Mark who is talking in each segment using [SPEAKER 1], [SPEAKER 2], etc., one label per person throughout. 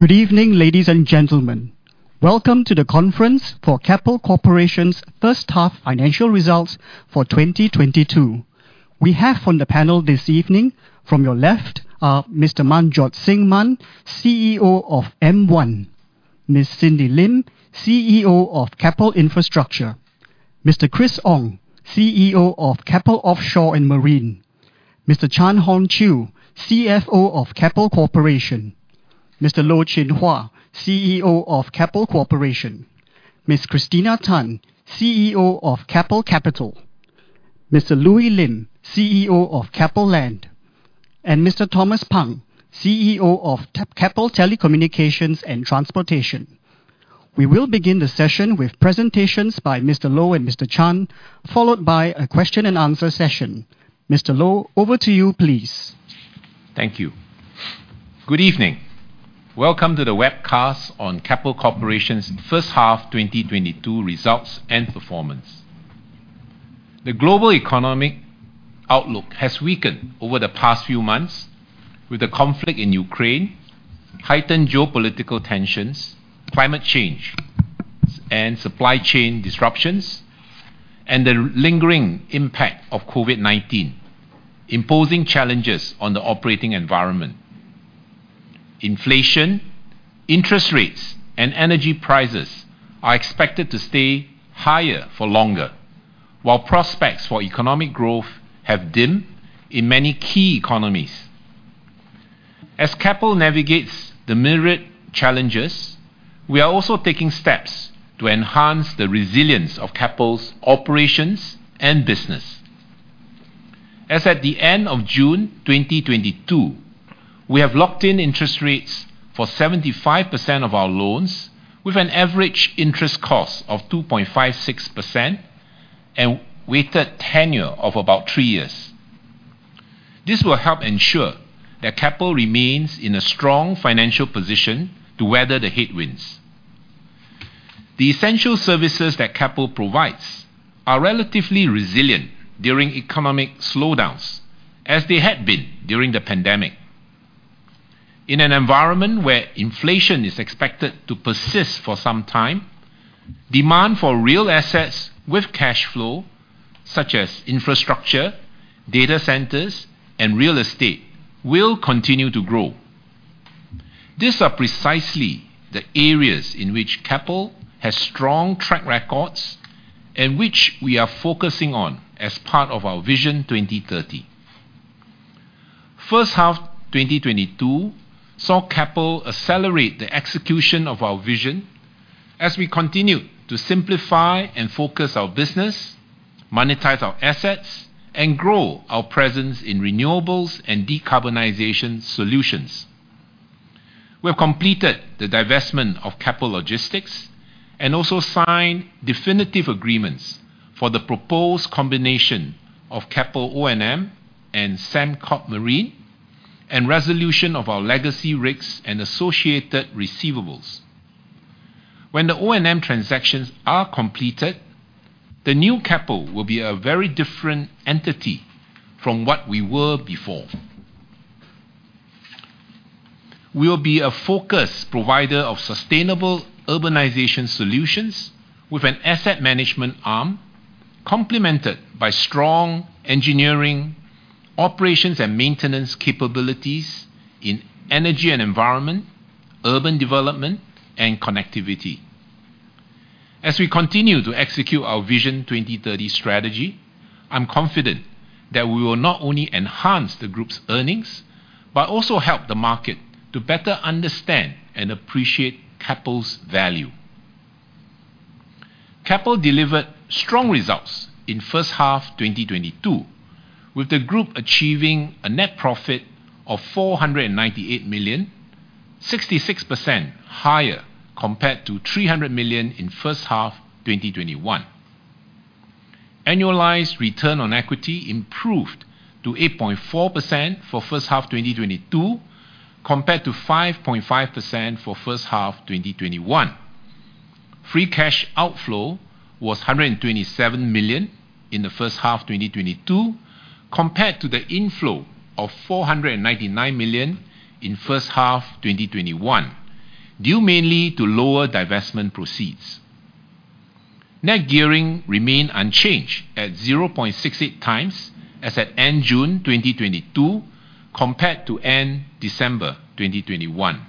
[SPEAKER 1] Good evening, ladies and gentlemen. Welcome to the conference for Keppel Corporation's first half financial results for 2022. We have on the panel this evening from your left are Mr. Manjot Singh Mann, CEO of M1. Ms. Cindy Lim, CEO of Keppel Infrastructure. Mr. Chris Ong, CEO of Keppel Offshore & Marine. Mr. Chan Hon Chew, CFO of Keppel Corporation. Mr. Loh Chin Hua, CEO of Keppel Corporation. Ms. Christina Tan, CEO of Keppel Capital. Mr. Louis Lim, CEO of Keppel Corporation. Ms. Christina Tan, CEO of Keppel Capital. Mr. Louis Lim, CEO of Keppel Land. And Mr. Thomas Pang, CEO of Keppel Telecommunications & Transportation. We will begin the session with presentations by Mr. Loh and Mr. Chan, followed by a question-and-answer session. Mr. Loh, over to you, please.
[SPEAKER 2] Thank you. Good evening. Welcome to the webcast on Keppel Corporation's First Half 2022 Results and Performance. The global economic outlook has weakened over the past few months with the conflict in Ukraine, heightened geopolitical tensions, climate change and supply chain disruptions, and the lingering impact of COVID-19, imposing challenges on the operating environment. Inflation, interest rates, and energy prices are expected to stay higher for longer, while prospects for economic growth have dimmed in many key economies. As Keppel navigates the myriad challenges, we are also taking steps to enhance the resilience of Keppel's operations and business. As at the end of June 2022, we have locked in interest rates for 75% of our loans with an average interest cost of 2.56% and weighted tenure of about three years. This will help ensure that Keppel remains in a strong financial position to weather the headwinds. The essential services that Keppel provides are relatively resilient during economic slowdowns, as they had been during the pandemic. In an environment where inflation is expected to persist for some time, demand for real assets with cash flow, such as infrastructure, data centers, and real estate will continue to grow. These are precisely the areas in which Keppel has strong track records and which we are focusing on as part of our Vision 2030. First half 2022 saw Keppel accelerate the execution of our vision as we continue to simplify and focus our business, monetize our assets, and grow our presence in renewables and decarbonization solutions. We have completed the divestment of Keppel Logistics and also signed definitive agreements for the proposed combination of Keppel O&M and Sembcorp Marine and resolution of our legacy rigs and associated receivables. When the O&M transactions are completed, the new Keppel will be a very different entity from what we were before. We will be a focused provider of sustainable urbanization solutions with an asset management arm complemented by strong engineering, operations and maintenance capabilities in energy and environment, urban development, and connectivity. As we continue to execute our Vision 2030 strategy, I'm confident that we will not only enhance the group's earnings, but also help the market to better understand and appreciate Keppel's value. Keppel delivered strong results in first half 2022, with the group achieving a net profit of 498 million, 66% higher compared to 300 million in first half 2021. Annualized return on equity improved to 8.4% for first half 2022, compared to 5.5% for first half 2021. Free cash outflow was 127 million in the first half 2022, compared to the inflow of 499 million in first half 2021, due mainly to lower divestment proceeds. Net gearing remained unchanged at 0.68x as at end June 2022, compared to end December 2021.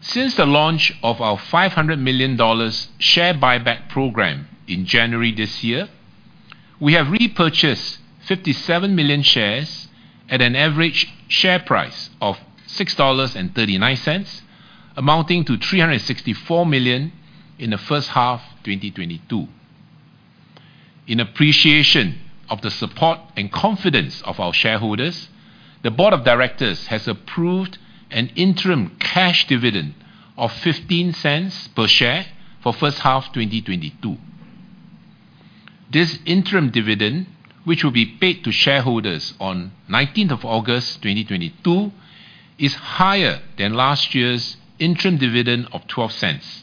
[SPEAKER 2] Since the launch of our 500 million dollars share buyback program in January this year, we have repurchased 57 million shares at an average share price of SGD 6.39, amounting to SGD 364 million in the first half 2022. In appreciation of the support and confidence of our shareholders, the board of directors has approved an interim cash dividend of 0.15 per share for first half 2022. This interim dividend, which will be paid to shareholders on 19th of August 2022, is higher than last year's interim dividend of 0.12.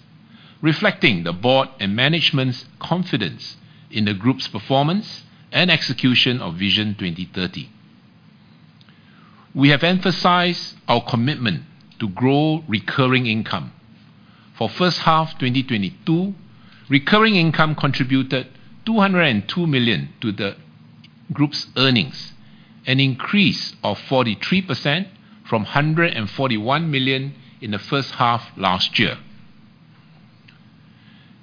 [SPEAKER 2] Reflecting the board and management's confidence in the group's performance and execution of Vision 2030. We have emphasized our commitment to grow recurring income. For first half 2022, recurring income contributed 202 million to the group's earnings, an increase of 43% from 141 million in the first half last year.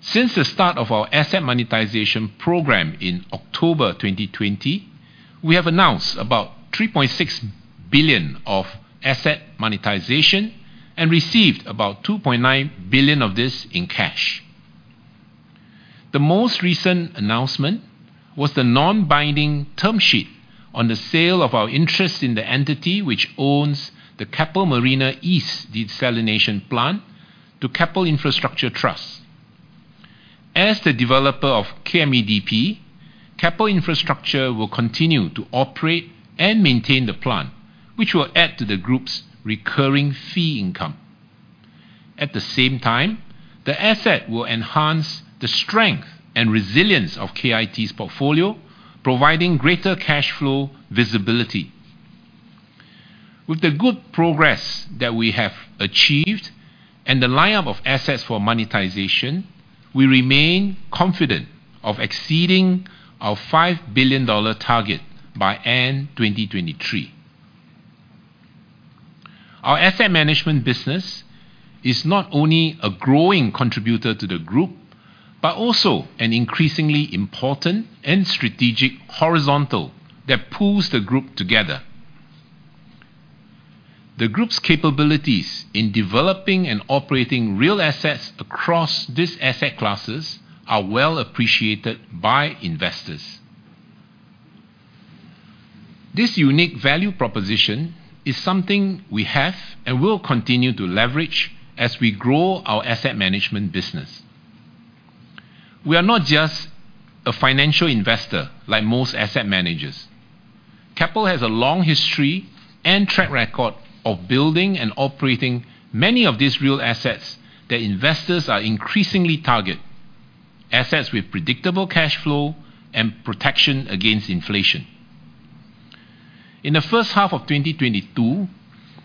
[SPEAKER 2] Since the start of our asset monetization program in October 2020, we have announced about 3.6 billion of asset monetization and received about 2.9 billion of this in cash. The most recent announcement was the non-binding term sheet on the sale of our interest in the entity which owns the Keppel Marina East Desalination Plant to Keppel Infrastructure Trust. As the developer of KMEDP, Keppel Infrastructure will continue to operate and maintain the plant, which will add to the group's recurring fee income. At the same time, the asset will enhance the strength and resilience of KIT's portfolio, providing greater cash flow visibility. With the good progress that we have achieved and the lineup of assets for monetization, we remain confident of exceeding our 5 billion dollar target by end 2023. Our asset management business is not only a growing contributor to the group, but also an increasingly important and strategic horizontal that pulls the group together. The group's capabilities in developing and operating real assets across these asset classes are well appreciated by investors. This unique value proposition is something we have and will continue to leverage as we grow our asset management business. We are not just a financial investor like most asset managers. Keppel has a long history and track record of building and operating many of these real assets that investors are increasingly targeting. Assets with predictable cash flow and protection against inflation. In the first half of 2022,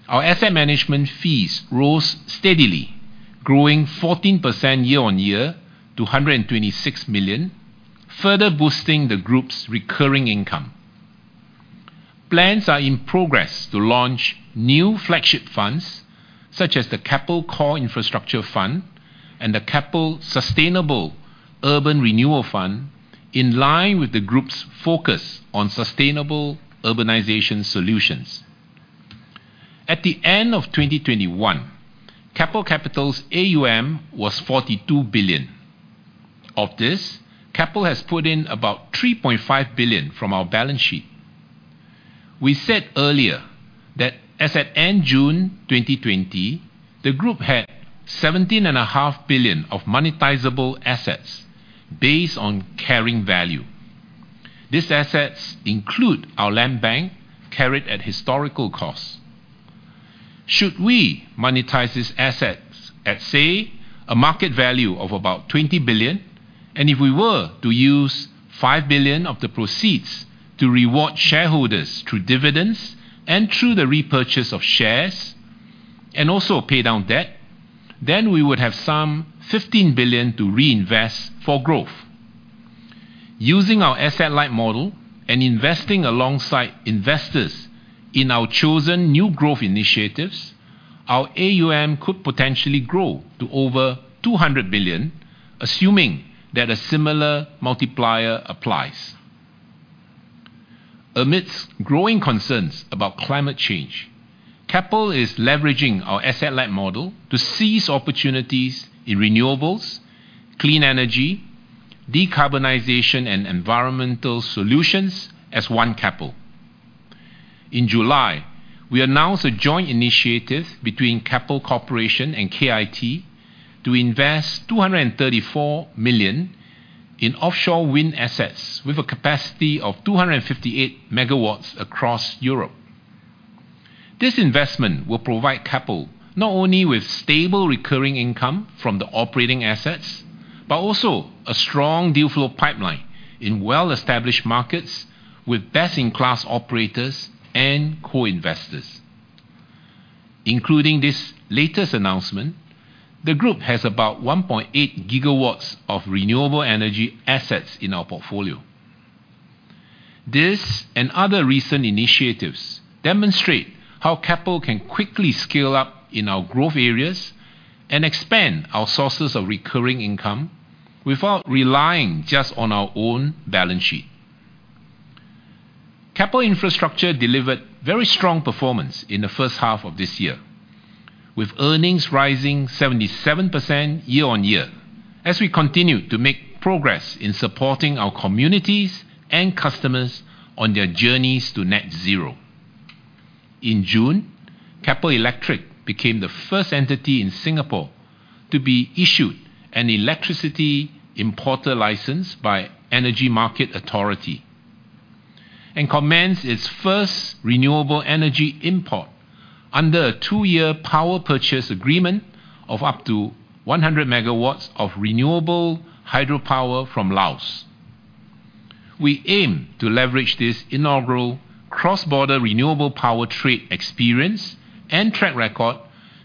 [SPEAKER 2] our asset management fees rose steadily, growing 14% year-on-year to SGD 126 million, further boosting the group's recurring income. Plans are in progress to launch new flagship funds, such as the Keppel Core Infrastructure Fund and the Keppel Sustainable Urban Renewal Fund, in line with the group's focus on sustainable urbanization solutions. At the end of 2021, Keppel Capital's AUM was 42 billion. Of this, Keppel has put in about 3.5 billion from our balance sheet. We said earlier that as at end June 2020, the group had 17.5 billion of monetizable assets based on carrying value. These assets include our land bank carried at historical costs. Should we monetize these assets at, say, a market value of about 20 billion, and if we were to use 5 billion of the proceeds to reward shareholders through dividends and through the repurchase of shares and also pay down debt, then we would have some 15 billion to reinvest for growth. Using our asset-light model and investing alongside investors in our chosen new growth initiatives, our AUM could potentially grow to over 200 billion, assuming that a similar multiplier applies. Amidst growing concerns about climate change, Keppel is leveraging our asset-light model to seize opportunities in renewables, clean energy, decarbonization, and environmental solutions as one Keppel. In July, we announced a joint initiative between Keppel Corporation and KIT to invest SGD 234 million in offshore wind assets with a capacity of 258 MW across Europe. This investment will provide Keppel not only with stable recurring income from the operating assets, but also a strong deal flow pipeline in well-established markets with best-in-class operators and co-investors. Including this latest announcement, the group has about 1.8 gigawatts of renewable energy assets in our portfolio. This and other recent initiatives demonstrate how Keppel can quickly scale up in our growth areas and expand our sources of recurring income without relying just on our own balance sheet. Keppel Infrastructure delivered very strong performance in the first half of this year, with earnings rising 77% year-on-year as we continue to make progress in supporting our communities and customers on their journeys to net zero. In June, Keppel Electric became the first entity in Singapore to be issued an Electricity Importer License by Energy Market Authority, and commence its first renewable energy import under a two-year power purchase agreement of up to 100 MW of renewable hydropower from Laos. We aim to leverage this inaugural cross-border renewable power trade experience and track record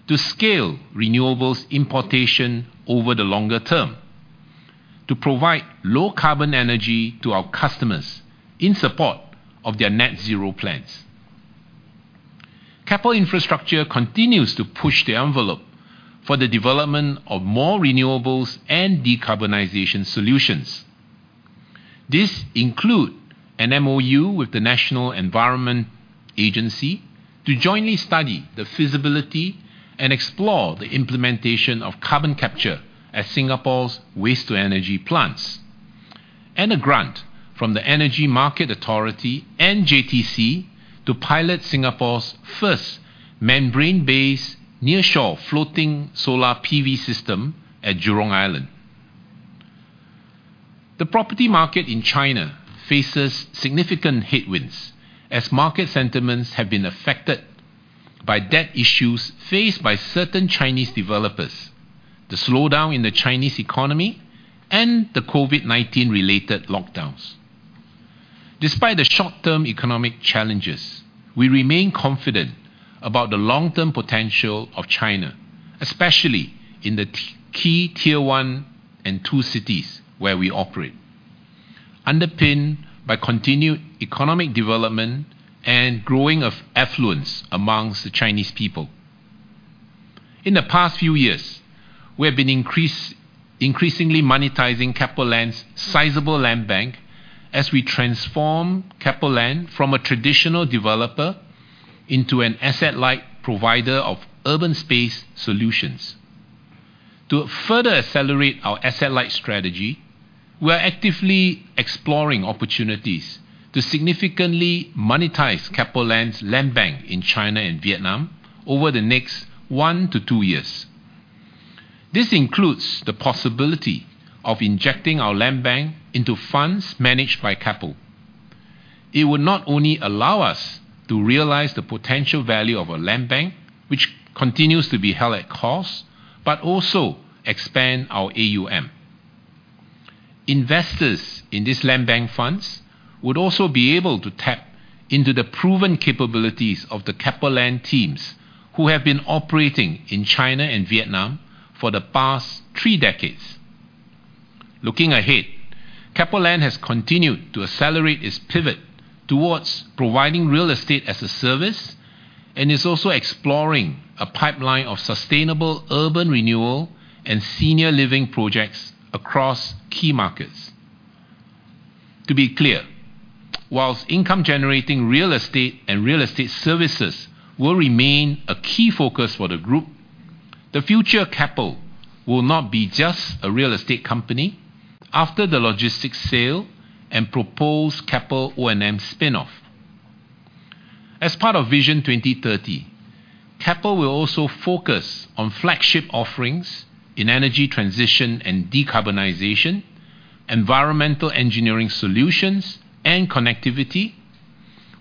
[SPEAKER 2] to scale renewables importation over the longer term to provide low carbon energy to our customers in support of their net zero plans. Keppel Infrastructure continues to push the envelope for the development of more renewables and decarbonization solutions. This includes an MOU with the National Environment Agency to jointly study the feasibility and explore the implementation of carbon capture at Singapore's waste-to-energy plants, and a grant from the Energy Market Authority and JTC to pilot Singapore's first membrane-based nearshore floating solar PV system at Jurong Island. The property market in China faces significant headwinds as market sentiments have been affected by debt issues faced by certain Chinese developers, the slowdown in the Chinese economy, and the COVID-19 related lockdowns. Despite the short-term economic challenges, we remain confident about the long-term potential of China, especially in the Tier 1 and Tier 2 cities where we operate, underpinned by continued economic development and growing affluence amongst the Chinese people. In the past few years, we have been increasingly monetizing Keppel Land's sizable land bank as we transform Keppel Land from a traditional developer into an asset light provider of urban space solutions. To further accelerate our asset light strategy, we are actively exploring opportunities to significantly monetize Keppel Land's land bank in China and Vietnam over the next 1-2 years. This includes the possibility of injecting our land bank into funds managed by Keppel. It would not only allow us to realize the potential value of a land bank, which continues to be held at cost, but also expand our AUM. Investors in this land bank funds would also be able to tap into the proven capabilities of the Keppel Land teams who have been operating in China and Vietnam for the past three decades. Looking ahead, Keppel Land has continued to accelerate its pivot towards providing real estate as a service and is also exploring a pipeline of sustainable urban renewal and senior living projects across key markets. To be clear, while income generating real estate and real estate services will remain a key focus for the group, the future Keppel will not be just a real estate company after the logistics sale and proposed Keppel O&M spin-off. As part of Vision 2030, Keppel will also focus on flagship offerings in energy transition and decarbonization, environmental engineering solutions and connectivity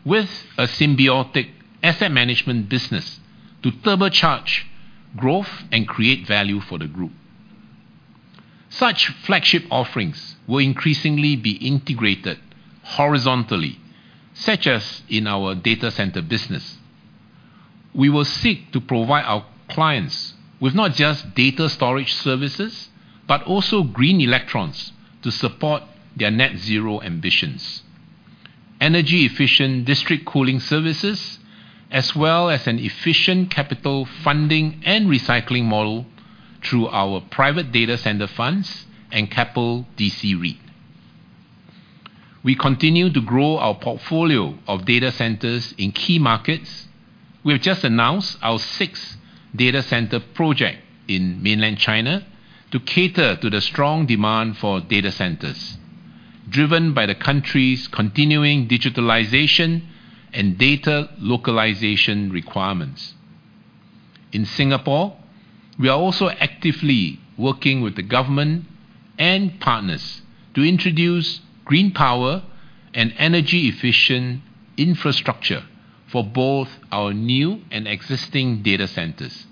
[SPEAKER 2] with a symbiotic asset management business to turbocharge growth and create value for the group. Such flagship offerings will increasingly be integrated horizontally, such as in our data center business. We will seek to provide our clients with not just data storage services, but also green electrons to support their net zero ambitions, energy efficient district cooling services, as well as an efficient capital funding and recycling model through our private data center funds and Keppel DC REIT. We continue to grow our portfolio of data centers in key markets. We have just announced our sixth data center project in mainland China to cater to the strong demand for data centers driven by the country's continuing digitalization and data localization requirements. In Singapore, we are also actively working with the government and partners to introduce green power and energy efficient infrastructure for both our new and existing data centers.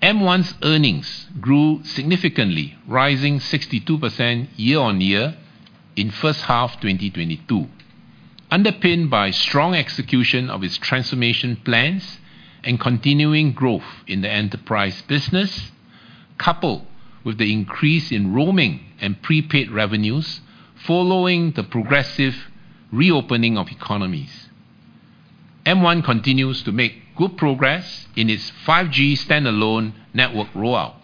[SPEAKER 2] M1's earnings grew significantly, rising 62% year-over-year in first half 2022, underpinned by strong execution of its transformation plans and continuing growth in the enterprise business, coupled with the increase in roaming and prepaid revenues following the progressive reopening of economies. M1 continues to make good progress in its 5G standalone network rollout.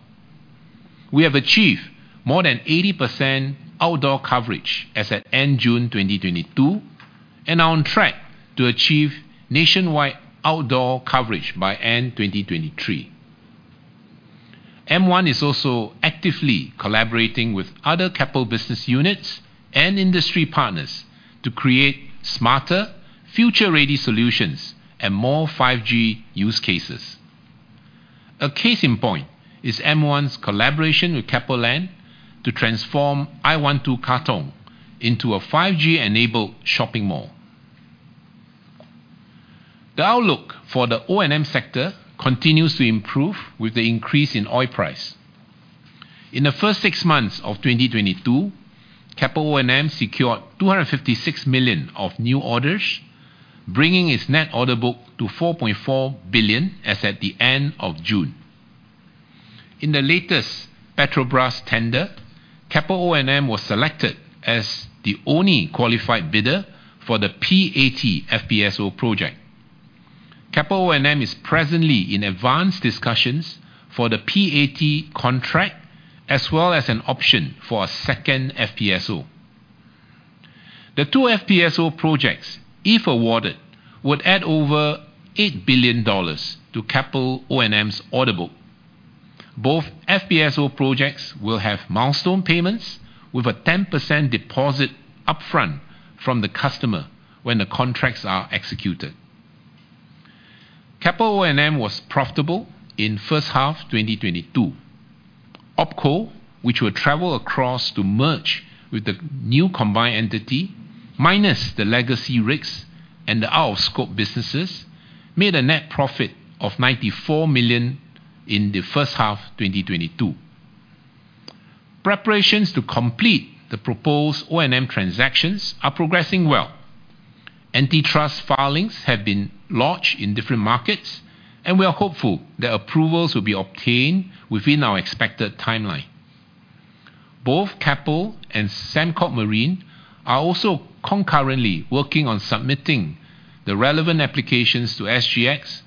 [SPEAKER 2] We have achieved more than 80% outdoor coverage as at end June 2022 and are on track to achieve nationwide outdoor coverage by end 2023. M1 is also actively collaborating with other Keppel business units and industry partners to create smarter future ready solutions and more 5G use cases. A case in point is M1's collaboration with Keppel Land to transform i12 Katong into a 5G-enabled shopping mall. The outlook for the O&M sector continues to improve with the increase in oil price. In the first six months of 2022, Keppel O&M secured $256 million of new orders, bringing its net order book to $4.4 billion as at the end of June. In the latest Petrobras tender, Keppel O&M was selected as the only qualified bidder for the P-80 FPSO project. Keppel O&M is presently in advanced discussions for the P-80 contract, as well as an option for a second FPSO. The two FPSO projects, if awarded, would add over $8 billion to Keppel O&M's order book. Both FPSO projects will have milestone payments with a 10% deposit upfront from the customer when the contracts are executed. Keppel O&M was profitable in first half 2022. OpCo, which will transfer across to merge with the new combined entity minus the legacy rigs and the out-of-scope businesses, made a net profit of 94 million in the first half 2022. Preparations to complete the proposed O&M transactions are progressing well. Antitrust filings have been launched in different markets, and we are hopeful that approvals will be obtained within our expected timeline. Both Keppel and Sembcorp Marine are also concurrently working on submitting the relevant applications to SGX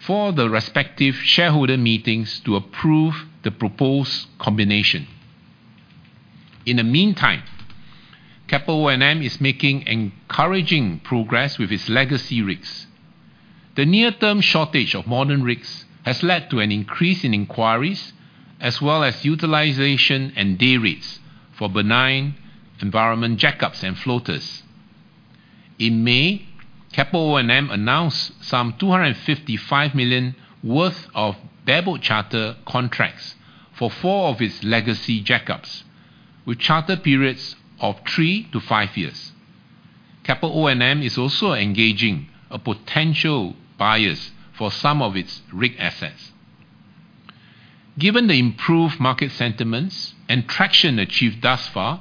[SPEAKER 2] for the respective shareholder meetings to approve the proposed combination. In the meantime, Keppel O&M is making encouraging progress with its legacy rigs. The near-term shortage of modern rigs has led to an increase in inquiries as well as utilization and day rates for benign environment jackups and floaters. In May, Keppel O&M announced 255 million worth of bareboat charter contracts for four of its legacy jackups, with charter periods of 3-5 years. Keppel O&M is also engaging potential buyers for some of its rig assets. Given the improved market sentiments and traction achieved thus far,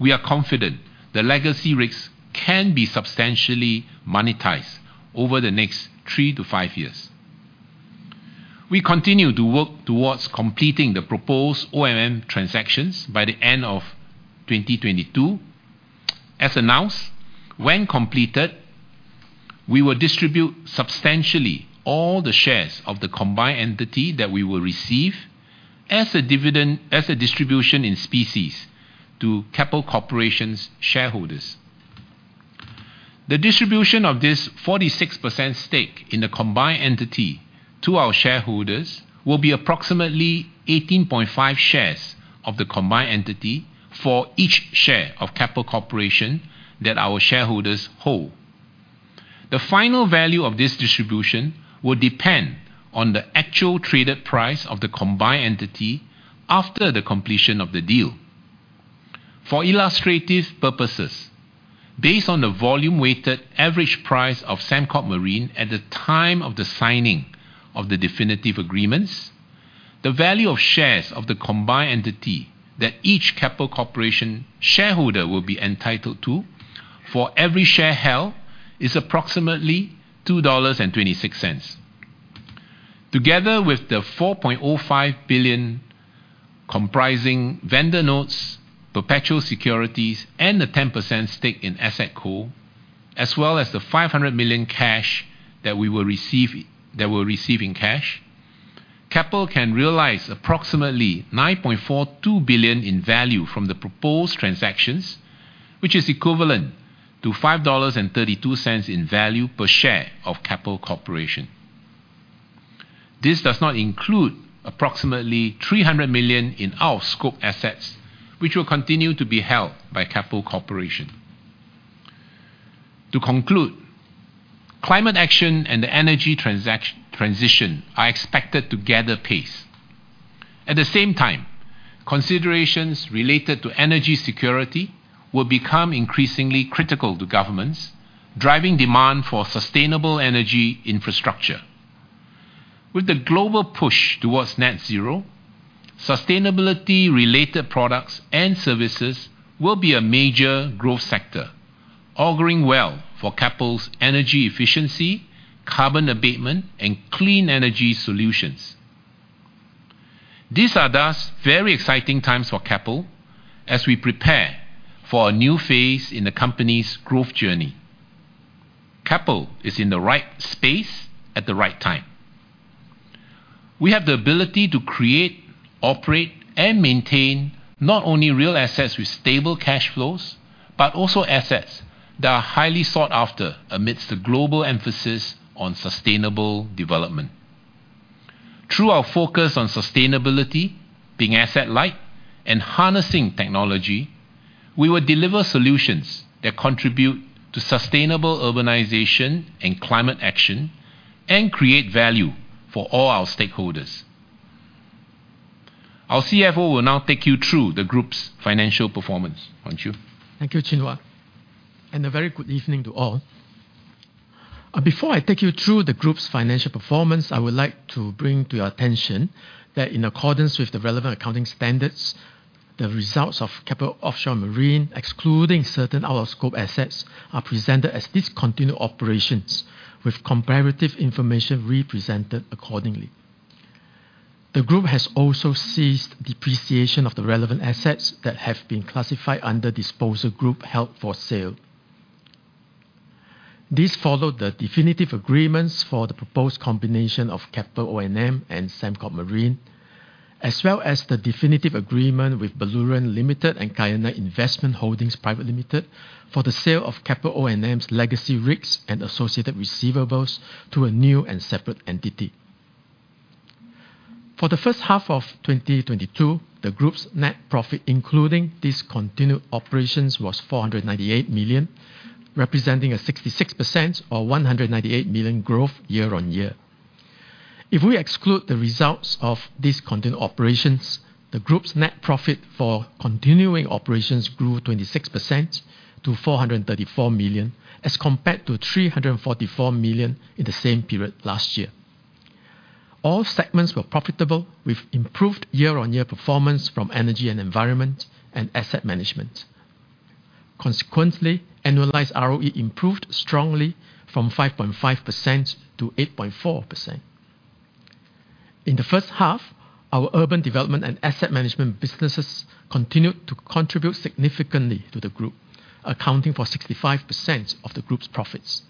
[SPEAKER 2] we are confident that legacy rigs can be substantially monetized over the next 3-5 years. We continue to work towards completing the proposed O&M transactions by the end of 2022. As announced, when completed, we will distribute substantially all the shares of the combined entity that we will receive as a distribution in specie to Keppel Corporation's shareholders. The distribution of this 46% stake in the combined entity to our shareholders will be approximately 18.5 shares of the combined entity for each share of Keppel Corporation that our shareholders hold. The final value of this distribution will depend on the actual traded price of the combined entity after the completion of the deal. For illustrative purposes, based on the volume-weighted average price of Sembcorp Marine at the time of the signing of the definitive agreements, the value of shares of the combined entity that each Keppel Corporation shareholder will be entitled to for every share held is approximately 2.26 dollars. Together with the 4.05 billion comprising vendor notes, perpetual securities, and the 10% stake in AssetCo, as well as the 500 million cash that we'll receive in cash, Keppel can realize approximately 9.42 billion in value from the proposed transactions, which is equivalent to SGD 5.32 in value per share of Keppel Corporation. This does not include approximately 300 million in out-of-scope assets, which will continue to be held by Keppel Corporation. To conclude, climate action and the energy transition are expected to gather pace. At the same time, considerations related to energy security will become increasingly critical to governments, driving demand for sustainable energy infrastructure. With the global push towards net zero, sustainability-related products and services will be a major growth sector, auguring well for Keppel's energy efficiency, carbon abatement, and clean energy solutions. These are thus very exciting times for Keppel as we prepare for a new phase in the company's growth journey. Keppel is in the right space at the right time. We have the ability to create, operate, and maintain not only real assets with stable cash flows, but also assets that are highly sought after amidst the global emphasis on sustainable development. Through our focus on sustainability, being asset light, and harnessing technology. We will deliver solutions that contribute to sustainable urbanization and climate action and create value for all our stakeholders. Our CFO will now take you through the group's financial performance. Chan Hon Chew.
[SPEAKER 3] Thank you, Loh Chin Hua, and a very good evening to all. Before I take you through the group's financial performance, I would like to bring to your attention that in accordance with the relevant accounting standards, the results of Keppel Offshore & Marine, excluding certain out-of-scope assets, are presented as discontinued operations with comparative information represented accordingly. The group has also ceased depreciation of the relevant assets that have been classified under disposal group held for sale. This followed the definitive agreements for the proposed combination of Keppel O&M and Sembcorp Marine, as well as the definitive agreement with Baluran Limited and Kyanite Investment Holdings Pte. Ltd. for the sale of Keppel O&M's legacy rigs and associated receivables to a new and separate entity. For the first half of 2022, the group's net profit, including discontinued operations, was 498 million, representing a 66% or 198 million growth year-on-year. If we exclude the results of discontinued operations, the group's net profit for continuing operations grew 26% to 434 million as compared to 344 million in the same period last year. All segments were profitable, with improved year-on-year performance from energy and environment and asset management. Consequently, annualized ROE improved strongly from 5.5% to 8.4%. In the first half, our urban development and asset management businesses continued to contribute significantly to the group, accounting for 65% of the group's profits.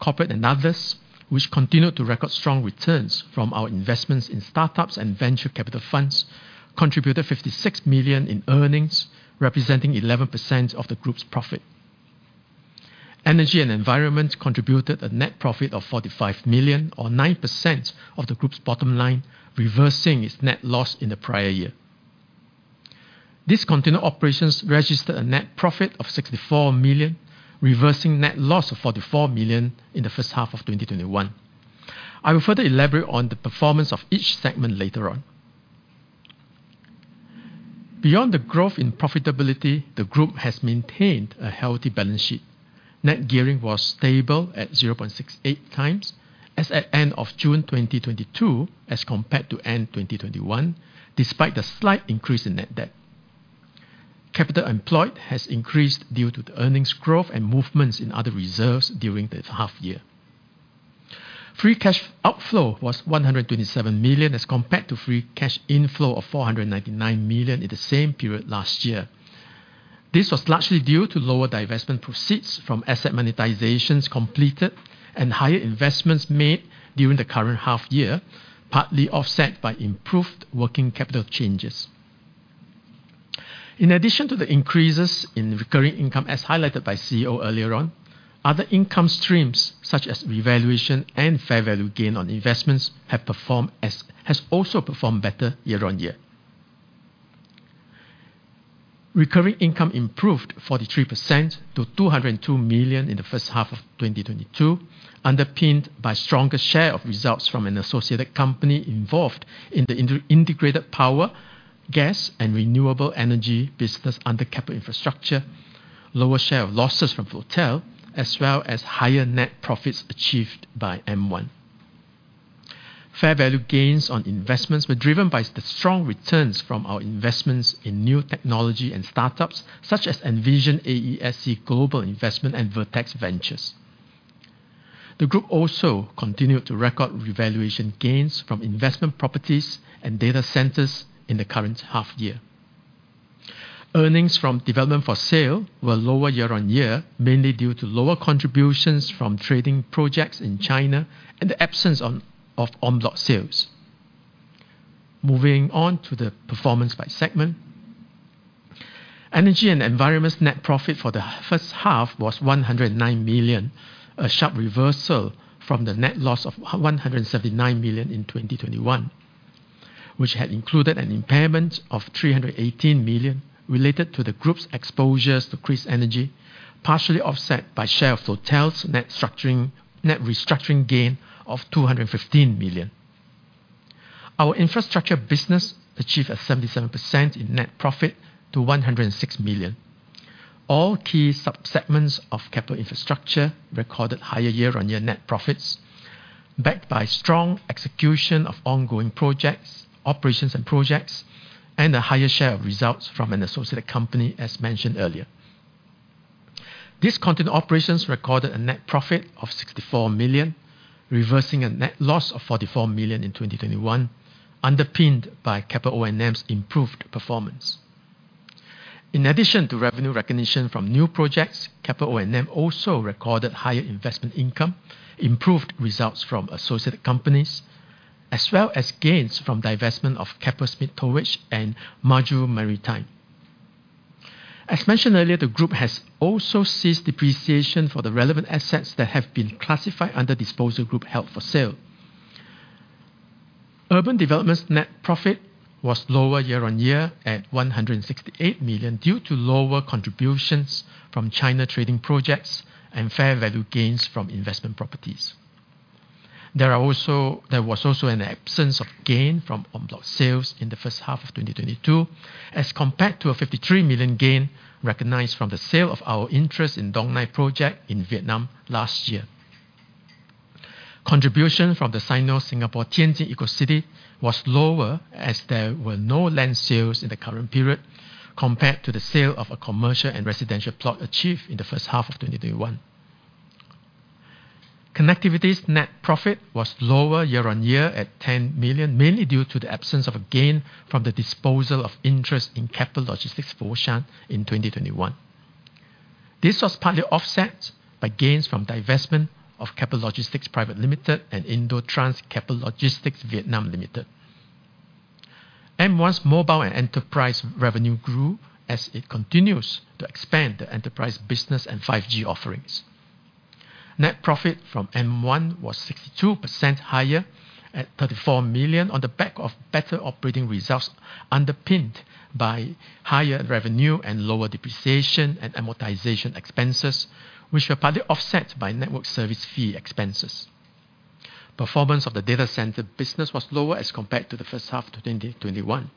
[SPEAKER 3] Corporate and others, which continued to record strong returns from our investments in startups and venture capital funds, contributed 56 million in earnings, representing 11% of the group's profit. Energy and environment contributed a net profit of 45 million, or 9% of the group's bottom line, reversing its net loss in the prior year. Discontinued operations registered a net profit of 64 million, reversing net loss of 44 million in the first half of 2021. I will further elaborate on the performance of each segment later on. Beyond the growth in profitability, the group has maintained a healthy balance sheet. Net gearing was stable at 0.68x as at end of June 2022 as compared to end 2021 despite the slight increase in net debt. Capital employed has increased due to the earnings growth and movements in other reserves during the half year. Free cash outflow was 127 million as compared to free cash inflow of 499 million in the same period last year. This was largely due to lower divestment proceeds from asset monetizations completed and higher investments made during the current half year, partly offset by improved working capital changes. In addition to the increases in recurring income as highlighted by CEO earlier on, other income streams such as revaluation and fair value gain on investments have performed, as has also performed better year-over-year. Recurring income improved 43% to 202 million in the first half of 2022, underpinned by stronger share of results from an associated company involved in the integrated power, gas, and renewable energy business under Keppel Infrastructure, lower share of losses from Floatel, as well as higher net profits achieved by M1. Fair value gains on investments were driven by the strong returns from our investments in new technology and startups such as Envision AESC and Vertex Ventures. The group also continued to record revaluation gains from investment properties and data centers in the current half year. Earnings from development for sale were lower year-on-year, mainly due to lower contributions from trading projects in China and the absence of en bloc sales. Moving on to the performance by segment. Energy and Environment's net profit for the first half was 109 million, a sharp reversal from the net loss of 179 million in 2021, which had included an impairment of 318 million related to the group's exposures to KrisEnergy, partially offset by share of Floatel's net restructuring gain of 215 million. Our infrastructure business achieved a 77% increase in net profit to 106 million. All key sub-segments of Keppel Infrastructure recorded higher year-on-year net profits, backed by strong execution of ongoing projects, operations and projects, and a higher share of results from an associated company, as mentioned earlier. Discontinued operations recorded a net profit of 64 million, reversing a net loss of 44 million in 2021, underpinned by Keppel O&M's improved performance. In addition to revenue recognition from new projects, Keppel O&M also recorded higher investment income, improved results from associated companies, as well as gains from divestment of Keppel Smit Towage and Maju Maritime. As mentioned earlier, the group has also ceased depreciation for the relevant assets that have been classified under disposal group held for sale. Urban development's net profit was lower year on year at 168 million, due to lower contributions from China trading projects and fair value gains from investment properties. There was also an absence of gain from en bloc sales in the first half of 2022, as compared to a 53 million gain recognized from the sale of our interest in Dong Nai project in Vietnam last year. Contribution from the Sino-Singapore Tianjin Eco-City was lower as there were no land sales in the current period compared to the sale of a commercial and residential plot achieved in the first half of 2021. Connectivity's net profit was lower year-on-year at 10 million, mainly due to the absence of a gain from the disposal of interest in Keppel Logistics (Foshan) in 2021. This was partly offset by gains from divestment of Keppel Logistics Private Limited and Indo-Trans Keppel Logistics Vietnam Co Ltd. M1's mobile and enterprise revenue grew as it continues to expand the enterprise business and 5G offerings. Net profit from M1 was 62% higher at 34 million on the back of better operating results underpinned by higher revenue and lower depreciation and amortization expenses, which were partly offset by network service fee expenses. Performance of the data center business was lower as compared to the first half of 2021.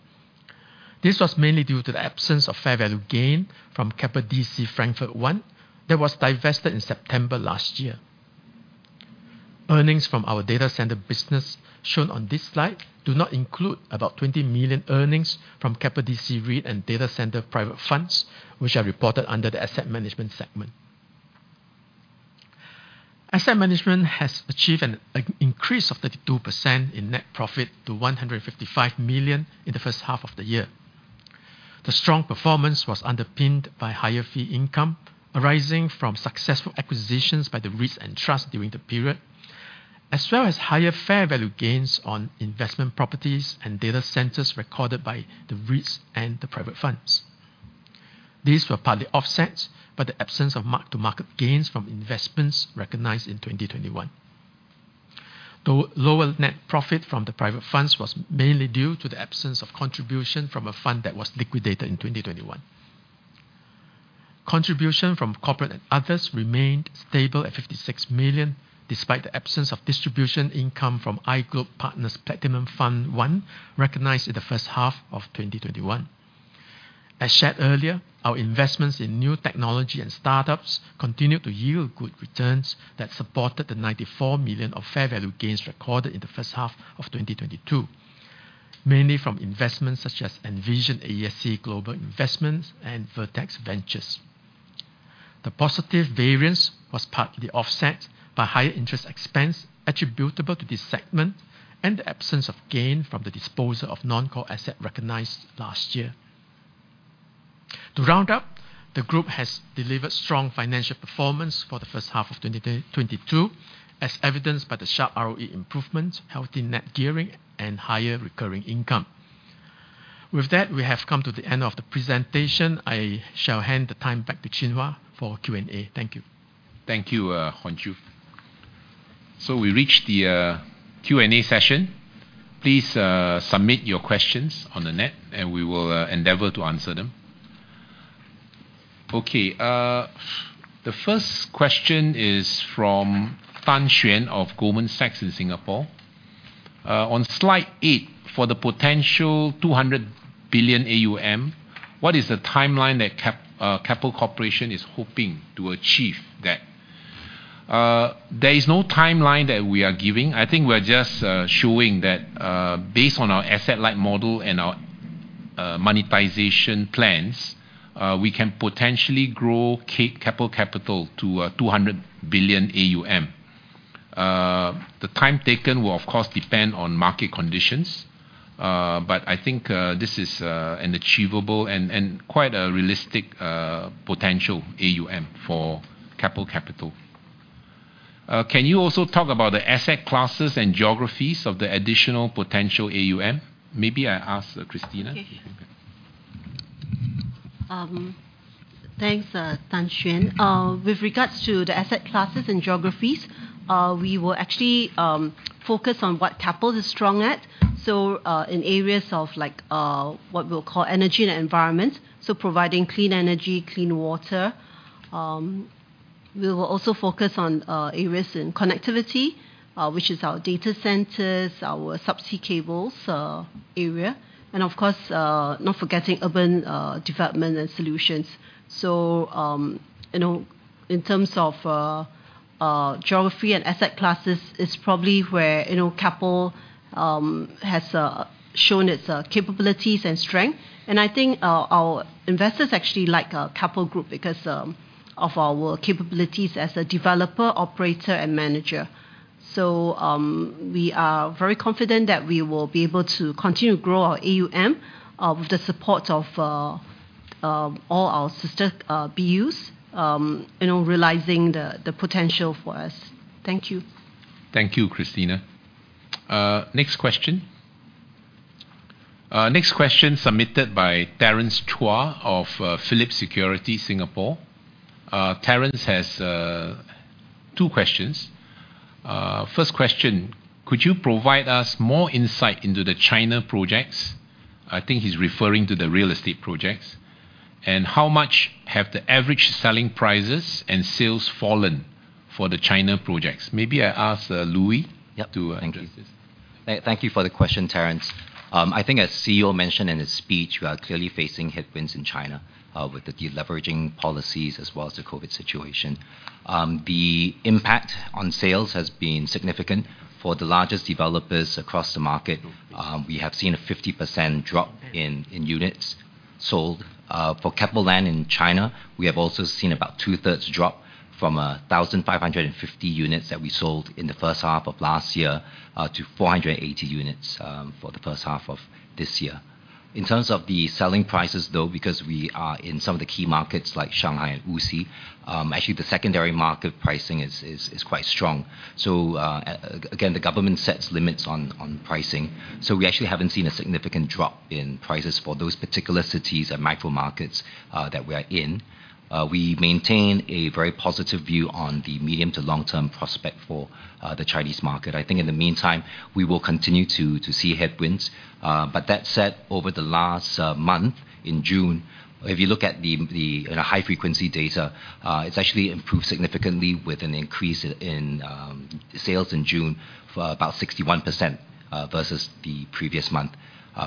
[SPEAKER 3] This was mainly due to the absence of fair value gain from Keppel DC Frankfurt 1 that was divested in September last year. Earnings from our data center business shown on this slide do not include about 20 million earnings from Keppel DC REIT and data center private funds, which are reported under the asset management segment. Asset management has achieved an increase of 32% in net profit to 155 million in the first half of the year. The strong performance was underpinned by higher fee income arising from successful acquisitions by the REITs and trust during the period, as well as higher fair value gains on investment properties and data centers recorded by the REITs and the private funds. These were partly offset by the absence of mark-to-market gains from investments recognized in 2021. The lower net profit from the private funds was mainly due to the absence of contribution from a fund that was liquidated in 2021. Contribution from corporate and others remained stable at 56 million, despite the absence of distribution income from iGlobe Platinum Fund, recognized in the first half of 2021. As shared earlier, our investments in new technology and startups continued to yield good returns that supported the 94 million of fair value gains recorded in the first half of 2022, mainly from investments such as Envision AESC and Vertex Ventures. The positive variance was partly offset by higher interest expense attributable to this segment and the absence of gain from the disposal of non-core asset recognized last year. To round up, the group has delivered strong financial performance for the first half of 2022, as evidenced by the sharp ROE improvements, healthy net gearing and higher recurring income. With that, we have come to the end of the presentation. I shall hand the time back to Loh Chin Hua for Q&A. Thank you.
[SPEAKER 2] Thank you, Chan Hon Chew. We reached the Q&A session. Please submit your questions on the net and we will endeavor to answer them. Okay. The first question is from Tan Xuan of Goldman Sachs in Singapore. "On slide 8, for the potential 200 billion AUM, what is the timeline that Cap, Keppel Corporation is hoping to achieve that?" There is no timeline that we are giving. I think we're just showing that, based on our asset light model and our monetization plans, we can potentially grow Keppel Capital to 200 billion AUM. The time taken will of course depend on market conditions, but I think this is an achievable and quite a realistic potential AUM for Keppel Capital. Can you also talk about the asset classes and geographies of the additional potential AUM? Maybe I ask Christina.
[SPEAKER 4] Okay. Thanks, Tan Xuan. With regards to the asset classes and geographies, we will actually focus on what Keppel is strong at. In areas of like, what we'll call energy and environment, providing clean energy, clean water. We will also focus on areas in connectivity, which is our data centers, our subsea cables, area, and of course, not forgetting urban development and solutions. You know, in terms of geography and asset classes is probably where, you know, Keppel has shown its capabilities and strength. I think our investors actually like Keppel Group because of our capabilities as a developer, operator and manager. We are very confident that we will be able to continue to grow our AUM with the support of all our sister BUs, you know, realizing the potential for us. Thank you.
[SPEAKER 2] Thank you, Christina. Next question submitted by Terrence Chua of Phillip Securities, Singapore. Terrence has two questions. First question: could you provide us more insight into the China projects? I think he's referring to the real estate projects. How much have the average selling prices and sales fallen for the China projects? Maybe I ask, Louis Lim.
[SPEAKER 5] Yep
[SPEAKER 2] To address this.
[SPEAKER 5] Thank you for the question, Terrence. I think as CEO mentioned in his speech, we are clearly facing headwinds in China, with the deleveraging policies as well as the COVID situation. The impact on sales has been significant for the largest developers across the market. We have seen a 50% drop in units sold. For Keppel Land in China, we have also seen about 2/3 drop from 1,550 units that we sold in the first half of last year to 480 units for the first half of this year. In terms of the selling prices though, because we are in some of the key markets like Shanghai and Wuxi, actually the secondary market pricing is quite strong. Again, the government sets limits on pricing, so we actually haven't seen a significant drop in prices for those particular cities and micro markets that we are in. We maintain a very positive view on the medium to long-term prospect for the Chinese market. I think in the meantime, we will continue to see headwinds. That said, over the last month, in June, if you look at the high-frequency data, it's actually improved significantly with an increase in sales in June for about 61% versus the previous month.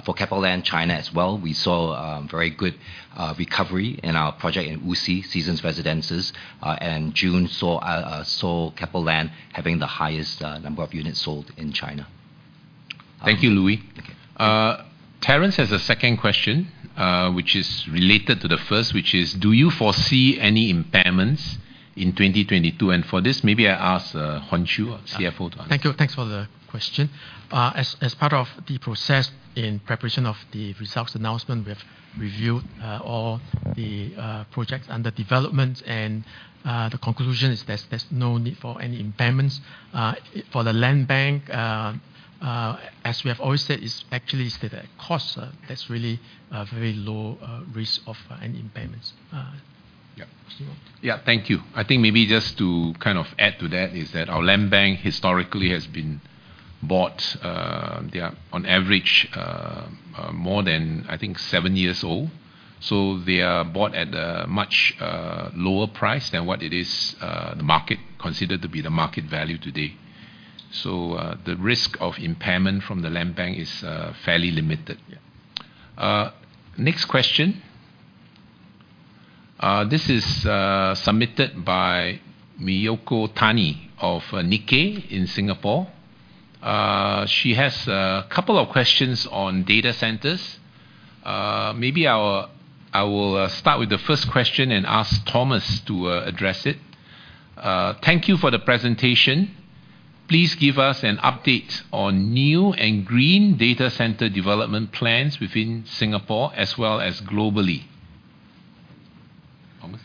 [SPEAKER 5] For Keppel Land China as well, we saw very good recovery in our project in Wuxi, Seasons Residences. June saw Keppel Land having the highest number of units sold in China.
[SPEAKER 2] Thank you, Louis.
[SPEAKER 5] Okay. Terrence Chua has a second question, which is related to the first, which is, do you foresee any impairments in 2022? For this, maybe I ask, Chan Hon Chew, CFO to answer.
[SPEAKER 3] Thank you. Thanks for the question. As part of the process in preparation of the results announcement, we have reviewed all the projects under development and the conclusion is there's no need for any impairments. For the land bank, as we have always said, it's actually is the cost that's really a very low risk of any impairments.
[SPEAKER 2] Yeah. Thank you. I think maybe just to kind of add to that is that our land bank historically has been bought, they are on average, more than, I think, seven years old. So they are bought at a much, lower price than what it is, the market consider to be the market value today. So, the risk of impairment from the land bank is, fairly limited. Yeah. Next question. This is, submitted by Mayuko Tani of, Nikkei in Singapore. She has a couple of questions on data centers. Maybe I will start with the first question and ask Thomas to, address it. Thank you for the presentation. Please give us an update on new and green data center development plans within Singapore as well as globally. Thomas.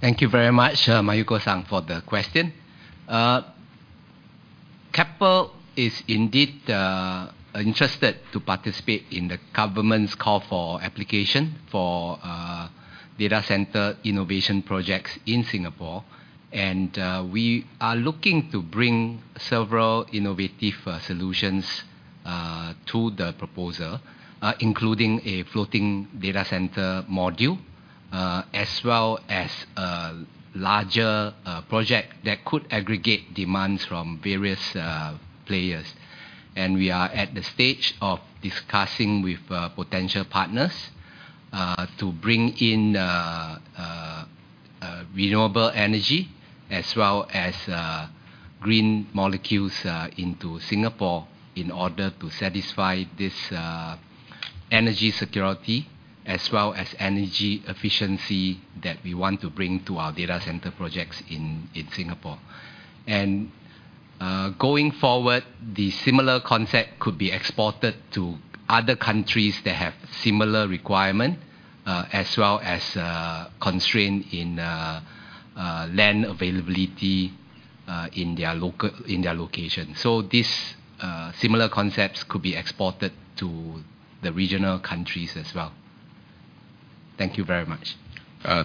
[SPEAKER 6] Thank you very much, Mayuko-san, for the question. Keppel is indeed interested to participate in the government's call for application for data center innovation projects in Singapore. We are looking to bring several innovative solutions to the proposal, including a floating data center module as well as a larger project that could aggregate demands from various players. We are at the stage of discussing with potential partners to bring in renewable energy as well as green molecules into Singapore in order to satisfy this energy security, as well as energy efficiency that we want to bring to our data center projects in Singapore. Going forward, the similar concept could be exported to other countries that have similar requirement as well as constraint in land availability in their location. This similar concepts could be exported to the regional countries as well. Thank you very much.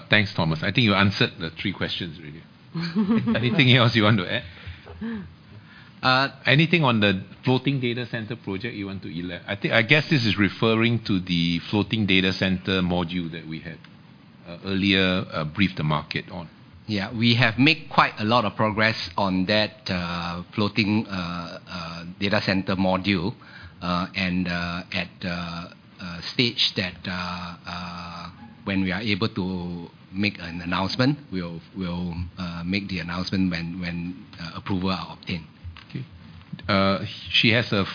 [SPEAKER 2] Thanks, Thomas. I think you answered the three questions really. Anything else you want to add? Anything on the floating data center project you want to elaborate? I think, I guess this is referring to the floating data center module that we had earlier briefed the market on.
[SPEAKER 6] Yeah. We have made quite a lot of progress on that floating data center module. At a stage that, when we are able to make an announcement, we'll make the announcement when approval are obtained.
[SPEAKER 2] Okay. She has a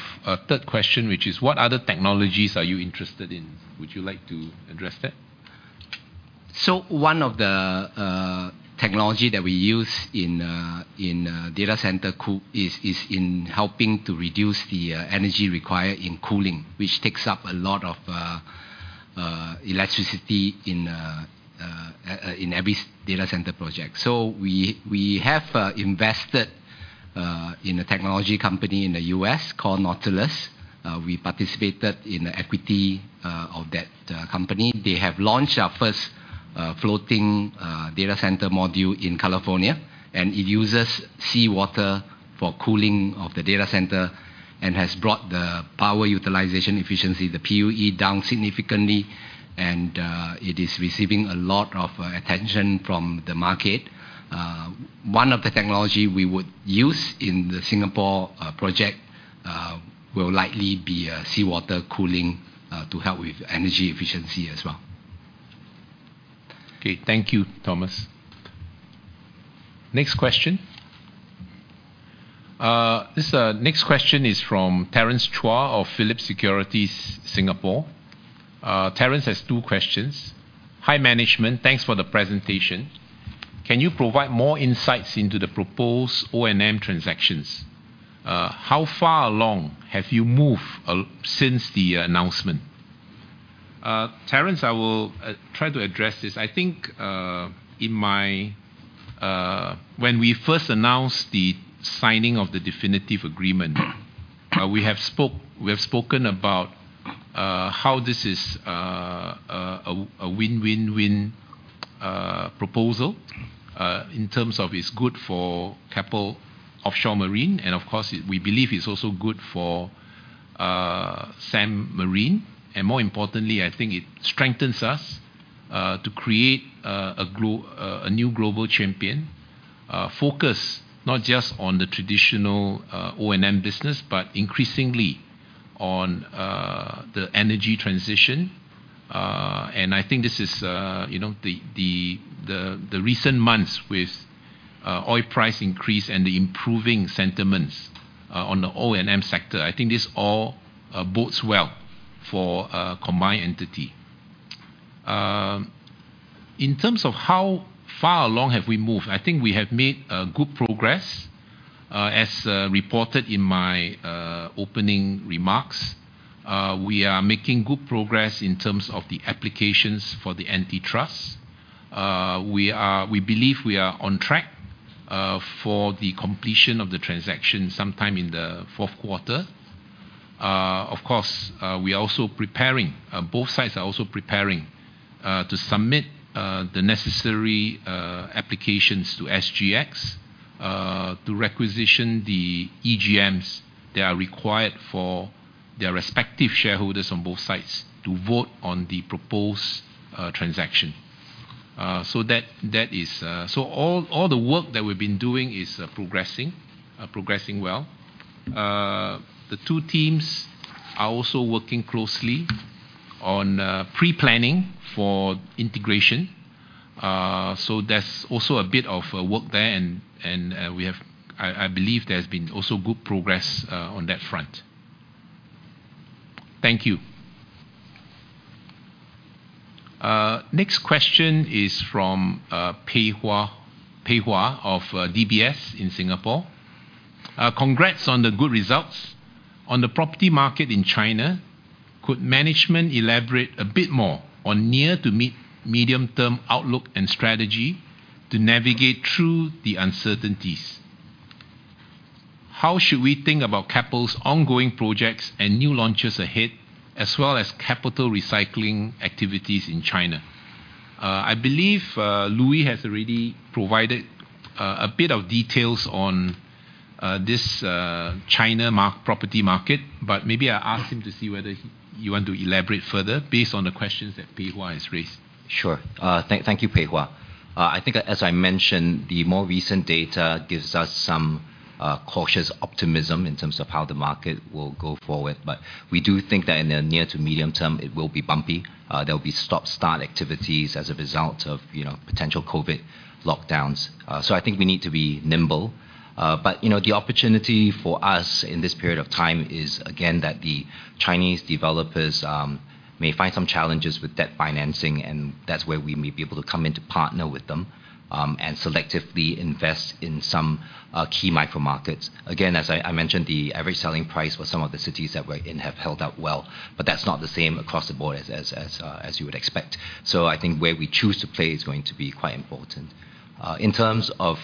[SPEAKER 2] third question, which is, what other technologies are you interested in? Would you like to address that?
[SPEAKER 6] One of the technology that we use in data center is in helping to reduce the energy required in cooling, which takes up a lot of electricity in every data center project. We have invested in a technology company in the U.S. called Nautilus. We participated in the equity of that company. They have launched our first floating data center module in California, and it uses seawater for cooling of the data center and has brought the power utilization efficiency, the PUE, down significantly, and it is receiving a lot of attention from the market. One of the technology we would use in the Singapore project will likely be seawater cooling to help with energy efficiency as well.
[SPEAKER 2] Okay. Thank you, Thomas. Next question. Next question is from Terrence Chua of Phillip Securities Singapore. Terrence has two questions. "Hi, management. Thanks for the presentation. Can you provide more insights into the proposed O&M transactions? How far along have you moved, since the announcement?" Terrence, I will try to address this. When we first announced the signing of the definitive agreement, we have spoken about how this is a win-win-win proposal in terms of it's good for Keppel Offshore & Marine, and of course, we believe it's also good for Sembcorp Marine. More importantly, I think it strengthens us to create a new global champion focused not just on the traditional O&M business but increasingly on the energy transition. I think this is, you know, the recent months with oil price increase and the improving sentiments on the O&M sector. I think this all bodes well for a combined entity. In terms of how far along have we moved, I think we have made good progress. As reported in my opening remarks, we are making good progress in terms of the applications for the antitrust. We believe we are on track for the completion of the transaction sometime in the Q4. Of course, we are also preparing, both sides are also preparing to submit the necessary applications to SGX to requisition the EGMs that are required for their respective shareholders on both sides to vote on the proposed transaction. That is all the work that we've been doing is progressing well. The two teams are also working closely on pre-planning for integration. There's also a bit of work there and I believe there's been also good progress on that front. Thank you. Next question is from Ho Pei Hwa of DBS in Singapore. Congrats on the good results. On the property market in China, could management elaborate a bit more on near- to medium-term outlook and strategy to navigate through the uncertainties? How should we think about Keppel's ongoing projects and new launches ahead, as well as capital recycling activities in China? I believe Louis has already provided a bit of details on this China property market, but maybe I'll ask him to see whether you want to elaborate further based on the questions that Ho Pei Hwa has raised.
[SPEAKER 5] Sure. Thank you, Ho Pei Hwa. I think as I mentioned, the more recent data gives us some cautious optimism in terms of how the market will go forward. We do think that in the near to medium term, it will be bumpy. There will be stop-start activities as a result of, you know, potential COVID lockdowns. I think we need to be nimble. You know, the opportunity for us in this period of time is again that the Chinese developers may find some challenges with debt financing, and that's where we may be able to come in to partner with them, and selectively invest in some key micro markets. Again, as I mentioned, the average selling price for some of the cities that we're in have held up well, but that's not the same across the board as you would expect. I think where we choose to play is going to be quite important. In terms of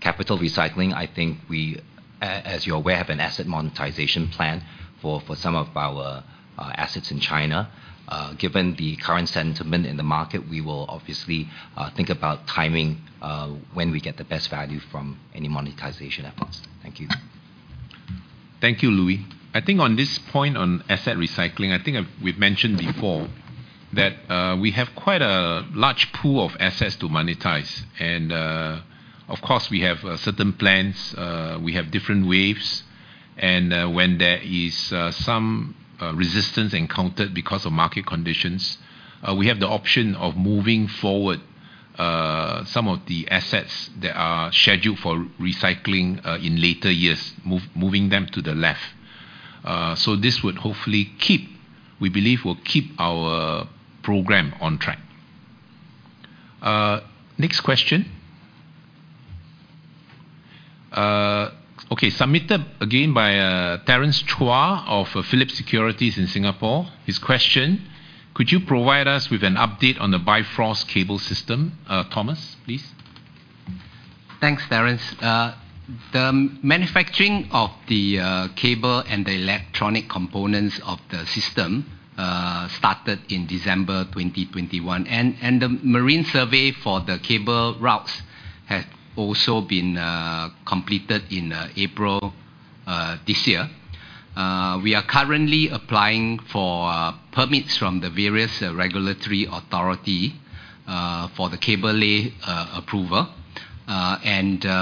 [SPEAKER 5] capital recycling, I think we as you're aware have an asset monetization plan for some of our assets in China. Given the current sentiment in the market, we will obviously think about timing when we get the best value from any monetization efforts. Thank you.
[SPEAKER 2] Thank you, Louis. I think on this point on asset recycling, I think we've mentioned before that we have quite a large pool of assets to monetize. Of course, we have certain plans, we have different waves. When there is some resistance encountered because of market conditions, we have the option of moving forward some of the assets that are scheduled for recycling in later years, moving them to the left. This would hopefully keep we believe will keep our program on track. Next question. Okay. Submitted again by Terrence Chua of Phillip Securities in Singapore. His question: Could you provide us with an update on the Bifrost Cable System? Thomas, please.
[SPEAKER 6] Thanks, Terrence. The manufacturing of the cable and the electronic components of the system started in December 2021. The marine survey for the cable routes had also been completed in April this year. We are currently applying for permits from the various regulatory authority for the cable lay approval.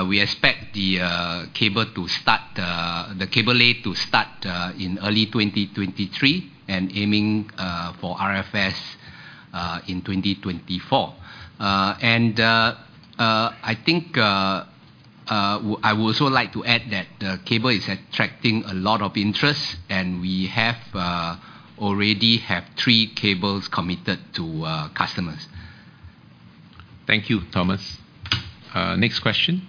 [SPEAKER 6] We expect the cable lay to start in early 2023, and aiming for RFS in 2024. I would also like to add that the cable is attracting a lot of interest, and we have already three cables committed to customers.
[SPEAKER 2] Thank you, Thomas. Next question.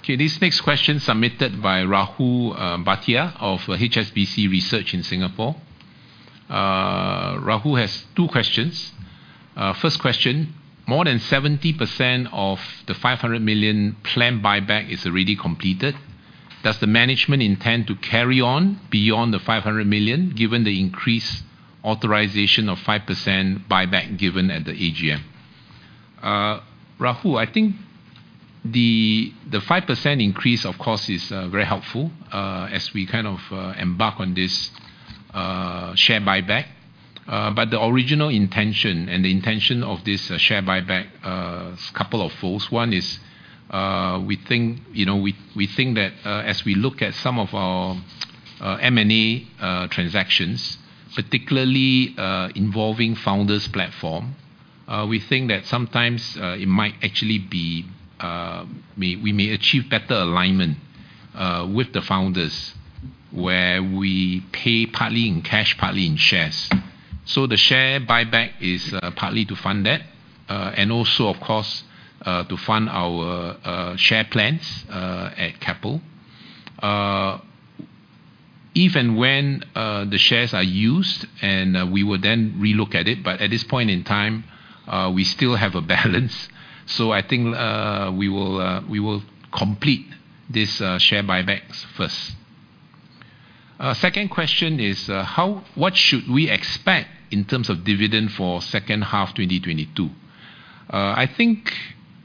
[SPEAKER 2] Okay, this next question submitted by Rahul Bhatia of HSBC Research in Singapore. Rahul has two questions. First question: More than 70% of the 500 million planned buyback is already completed. Does the management intend to carry on beyond the 500 million, given the increased authorization of 5% buyback given at the AGM? Rahul, I think the 5% increase, of course, is very helpful, as we kind of embark on this share buyback. But the original intention and the intention of this share buyback is a couple of folds. One is, we think, you know, we think that, as we look at some of our M&A transactions, particularly, involving founder's platform, we think that sometimes, it might actually be. We may achieve better alignment with the founders, where we pay partly in cash, partly in shares. The share buyback is partly to fund that. And also, of course, to fund our share plans at Keppel. Even when the shares are used and we will then relook at it, but at this point in time, we still have a balance. I think we will complete this share buybacks first. Second question is, what should we expect in terms of dividend for second half 2022? I think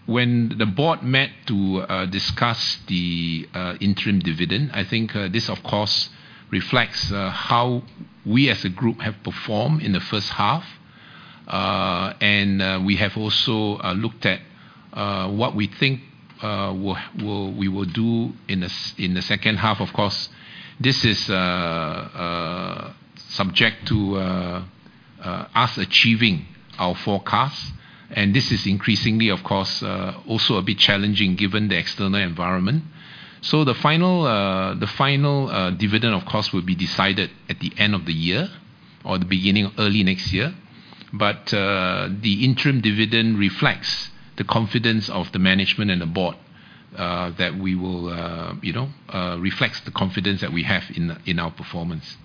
[SPEAKER 2] when the board met to discuss the interim dividend, I think this, of course, reflects how we as a group have performed in the first half. We have also looked at what we think we will do in the second half. Of course, this is subject to us achieving our forecast. This is increasingly, of course, also a bit challenging given the external environment. The final dividend, of course, will be decided at the end of the year or the beginning of early next year. The interim dividend reflects the confidence of the management and the board that we will, you know, have in our performance.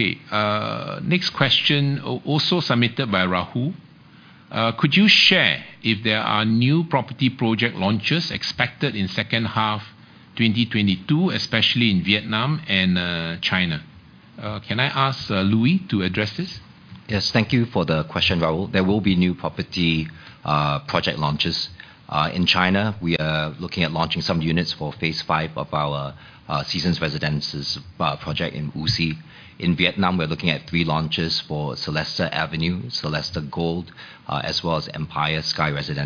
[SPEAKER 2] Okay. Next question, also submitted by Rahul. Could you share if there are new property project launches expected in second half 2022, especially in Vietnam and China? Can I ask Louis to address this?
[SPEAKER 5] Yes. Thank you for the question, Rahul. There will be new property project launches. In China, we are looking at launching some units for phase five of our Seasons Residences project in Wuxi. In Vietnam, we're looking at three launches for Celesta Avenue, Celesta Gold, as well as Empire City.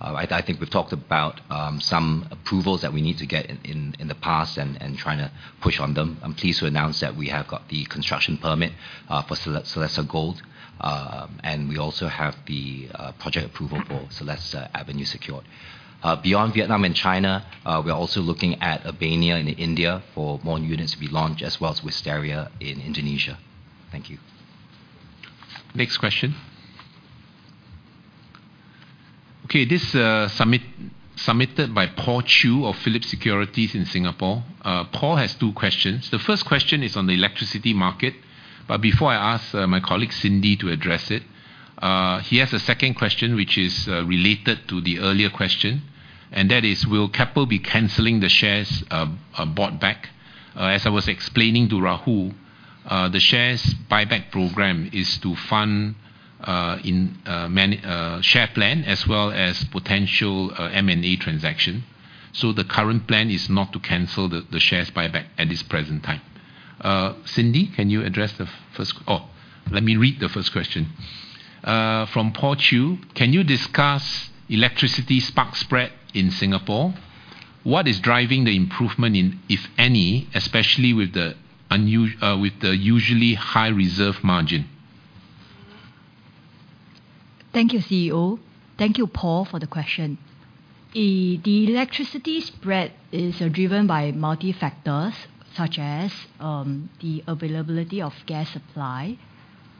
[SPEAKER 5] I think we've talked about some approvals that we need to get in the past and trying to push on them. I'm pleased to announce that we have got the construction permit for Celesta Gold. And we also have the project approval for Celesta Avenue secured. Beyond Vietnam and China, we are also looking at Albania and India for more units to be launched, as well as Wisteria in Indonesia. Thank you.
[SPEAKER 2] Next question. Okay, this submitted by Paul Chew of Phillip Securities in Singapore. Paul has two questions. The first question is on the electricity market, but before I ask my colleague Cindy to address it, he has a second question which is related to the earlier question. That is. Will Keppel be canceling the shares bought back? As I was explaining to Rahul, the shares buyback program is to fund in-house management share plan as well as potential M&A transaction. The current plan is not to cancel the shares buyback at this present time. Cindy, can you address the first. Oh, let me read the first question from Paul Chew. Can you discuss electricity spark spread in Singapore? What is driving the improvement in, if any, especially with the usually high reserve margin?
[SPEAKER 7] Thank you, CEO. Thank you, Paul, for the question. The electricity spread is driven by multiple factors such as the availability of gas supply,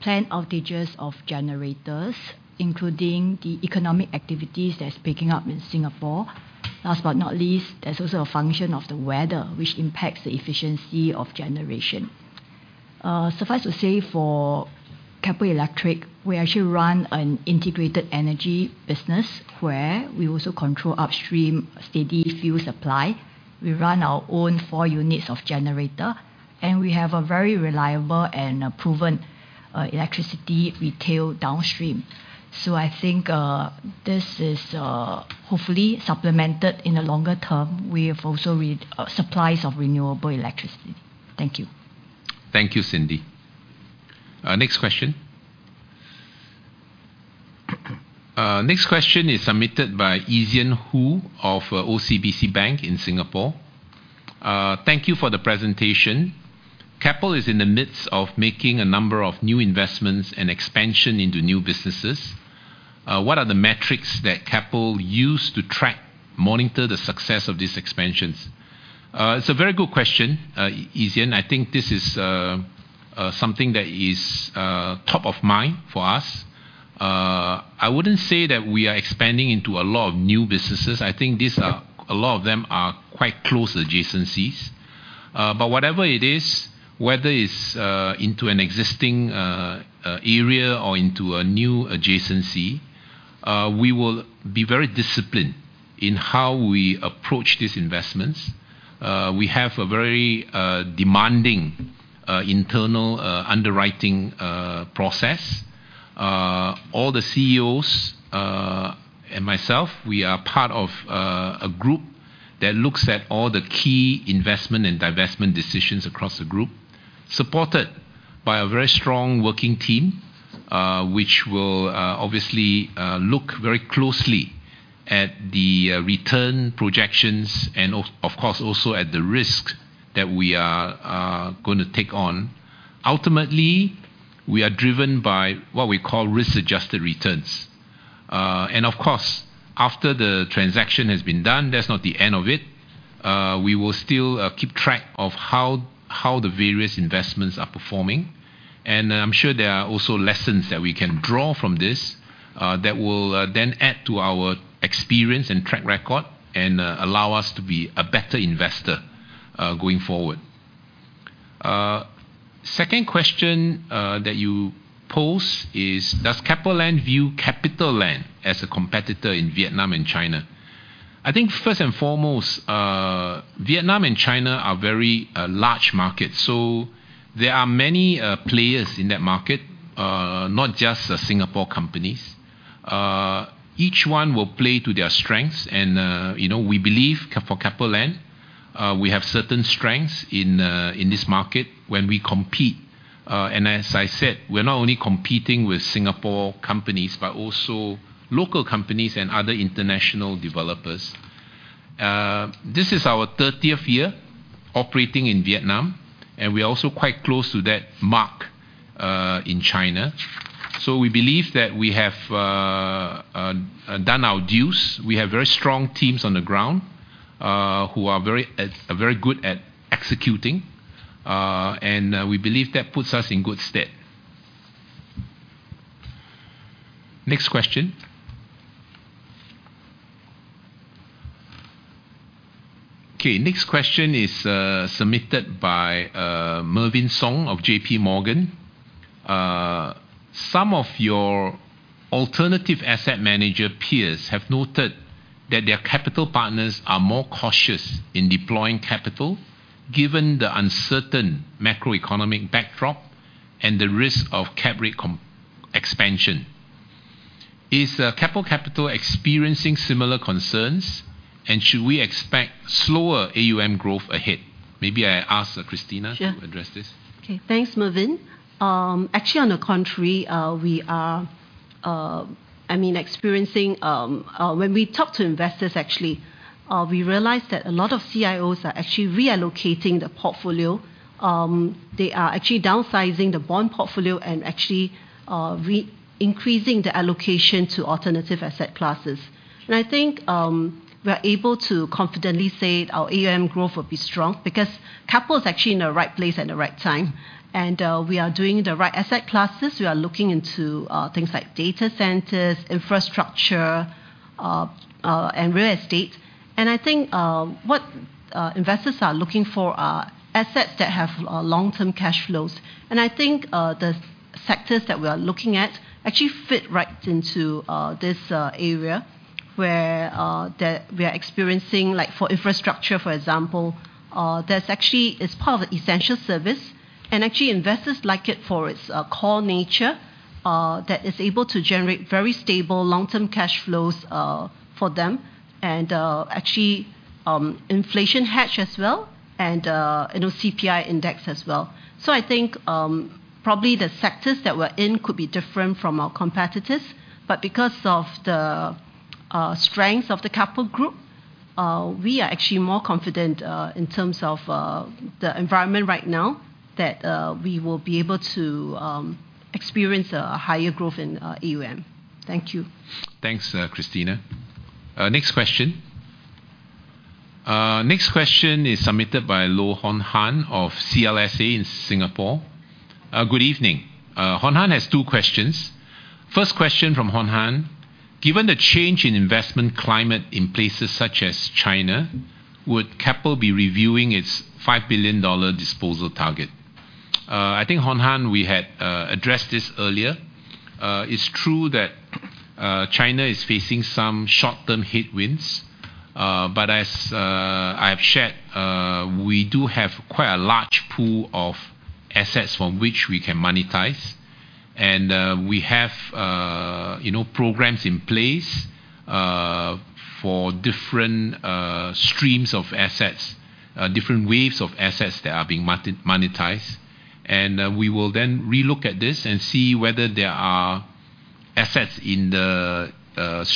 [SPEAKER 7] plant outages of generators, including the economic activities that's picking up in Singapore. Last but not least, there's also a function of the weather which impacts the efficiency of generation. Suffice to say for Keppel Electric, we actually run an integrated energy business where we also control upstream steady fuel supply. We run our own four units of generator, and we have a very reliable and proven electricity retail downstream. I think this is hopefully supplemented in the longer term. We have also supplies of renewable electricity. Thank you.
[SPEAKER 2] Thank you, Cindy. Next question is submitted by Ezien Hoo of OCBC Bank in Singapore. "Thank you for the presentation. Keppel is in the midst of making a number of new investments and expansion into new businesses. What are the metrics that Keppel use to track, monitor the success of these expansions?" It's a very good question, Ezien. I think this is something that is top of mind for us. I wouldn't say that we are expanding into a lot of new businesses. I think these are a lot of them are quite close adjacencies. Whatever it is, whether it's into an existing area or into a new adjacency, we will be very disciplined in how we approach these investments. We have a very demanding internal underwriting process. All the CEOs and myself, we are part of a group that looks at all the key investment and divestment decisions across the group, supported by a very strong working team, which will obviously look very closely at the return projections and of course, also at the risks that we are gonna take on. Ultimately, we are driven by what we call risk-adjusted returns. Of course, after the transaction has been done, that's not the end of it. We will still keep track of how the various investments are performing. I'm sure there are also lessons that we can draw from this, that will, then add to our experience and track record and, allow us to be a better investor, going forward. Second question, that you posed is, "Does Keppel Land view CapitaLand as a competitor in Vietnam and China?" I think first and foremost, Vietnam and China are very, large markets, so there are many, players in that market, not just, Singapore companies. Each one will play to their strengths. You know, we believe for Keppel Land, we have certain strengths in this market when we compete. As I said, we're not only competing with Singapore companies, but also local companies and other international developers. This is our 30th year operating in Vietnam, and we're also quite close to that mark in China. We believe that we have done our dues. We have very strong teams on the ground who are very good at executing. We believe that puts us in good stead. Next question. Okay, next question is submitted by Mervin Song of JPMorgan. "Some of your alternative asset manager peers have noted that their capital partners are more cautious in deploying capital given the uncertain macroeconomic backdrop and the risk of cap rate expansion. Is Keppel Capital experiencing similar concerns, and should we expect slower AUM growth ahead?" Maybe I ask Christina.
[SPEAKER 4] Sure.
[SPEAKER 2] To address this.
[SPEAKER 4] Okay. Thanks, Mervin. Actually on the contrary, when we talk to investors actually, we realize that a lot of CIOs are actually reallocating the portfolio. They are actually downsizing the bond portfolio and actually increasing the allocation to alternative asset classes. I think we are able to confidently say our AUM growth will be strong because Keppel is actually in the right place at the right time. We are doing the right asset classes. We are looking into things like data centers, infrastructure, and real estate. I think what investors are looking for are assets that have long-term cash flows. I think the sectors that we are looking at actually fit right into this area. We are experiencing, like for infrastructure, for example, there's actually. It's part of the essential service. Actually, investors like it for its core nature that is able to generate very stable long-term cash flows for them and actually inflation hedge as well, and you know, CPI index as well. I think probably the sectors that we're in could be different from our competitors, but because of the strength of the Keppel group. We are actually more confident in terms of the environment right now that we will be able to experience a higher growth in AUM. Thank you.
[SPEAKER 2] Thanks, Christina. Next question is submitted by Low Horng Han of CLSA in Singapore. Good evening. Low Horng Han has two questions. First question from Low Horng Han: Given the change in investment climate in places such as China, would Keppel be reviewing its 5 billion dollar disposal target? I think Low Horng Han, we had addressed this earlier. It's true that China is facing some short-term headwinds, but as I have shared, we do have quite a large pool of assets from which we can monetize. We have, you know, programs in place for different streams of assets, different waves of assets that are being monetized. We will then relook at this and see whether there are assets in the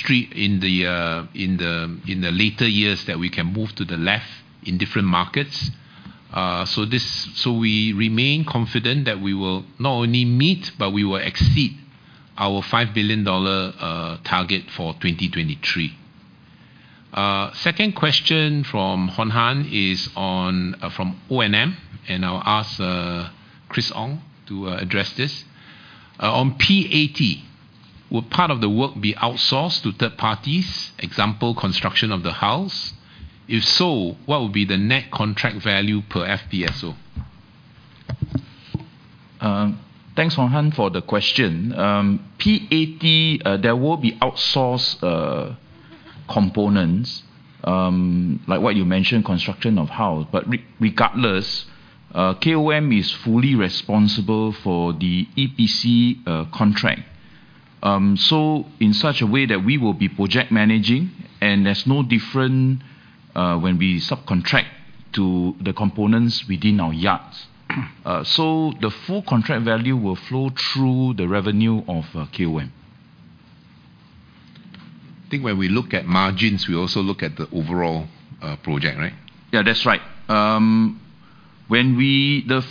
[SPEAKER 2] fleet in the later years that we can move to the left in different markets. We remain confident that we will not only meet, but we will exceed our 5 billion dollar target for 2023. Second question from Low Horng Han is on O&M, and I'll ask Chris Ong to address this. On PAT, will part of the work be outsourced to third parties, example, construction of the hull? If so, what will be the net contract value per FPSO?
[SPEAKER 8] Thanks Low Horng Han for the question. PAT, there will be outsourced components, like what you mentioned, construction of hulls. Regardless, KOM is fully responsible for the EPC contract. In such a way that we will be project managing, and there's no difference when we subcontract the components within our yards. The full contract value will flow through the revenue of KOM.
[SPEAKER 2] I think when we look at margins, we also look at the overall project, right?
[SPEAKER 8] Yeah, that's right. The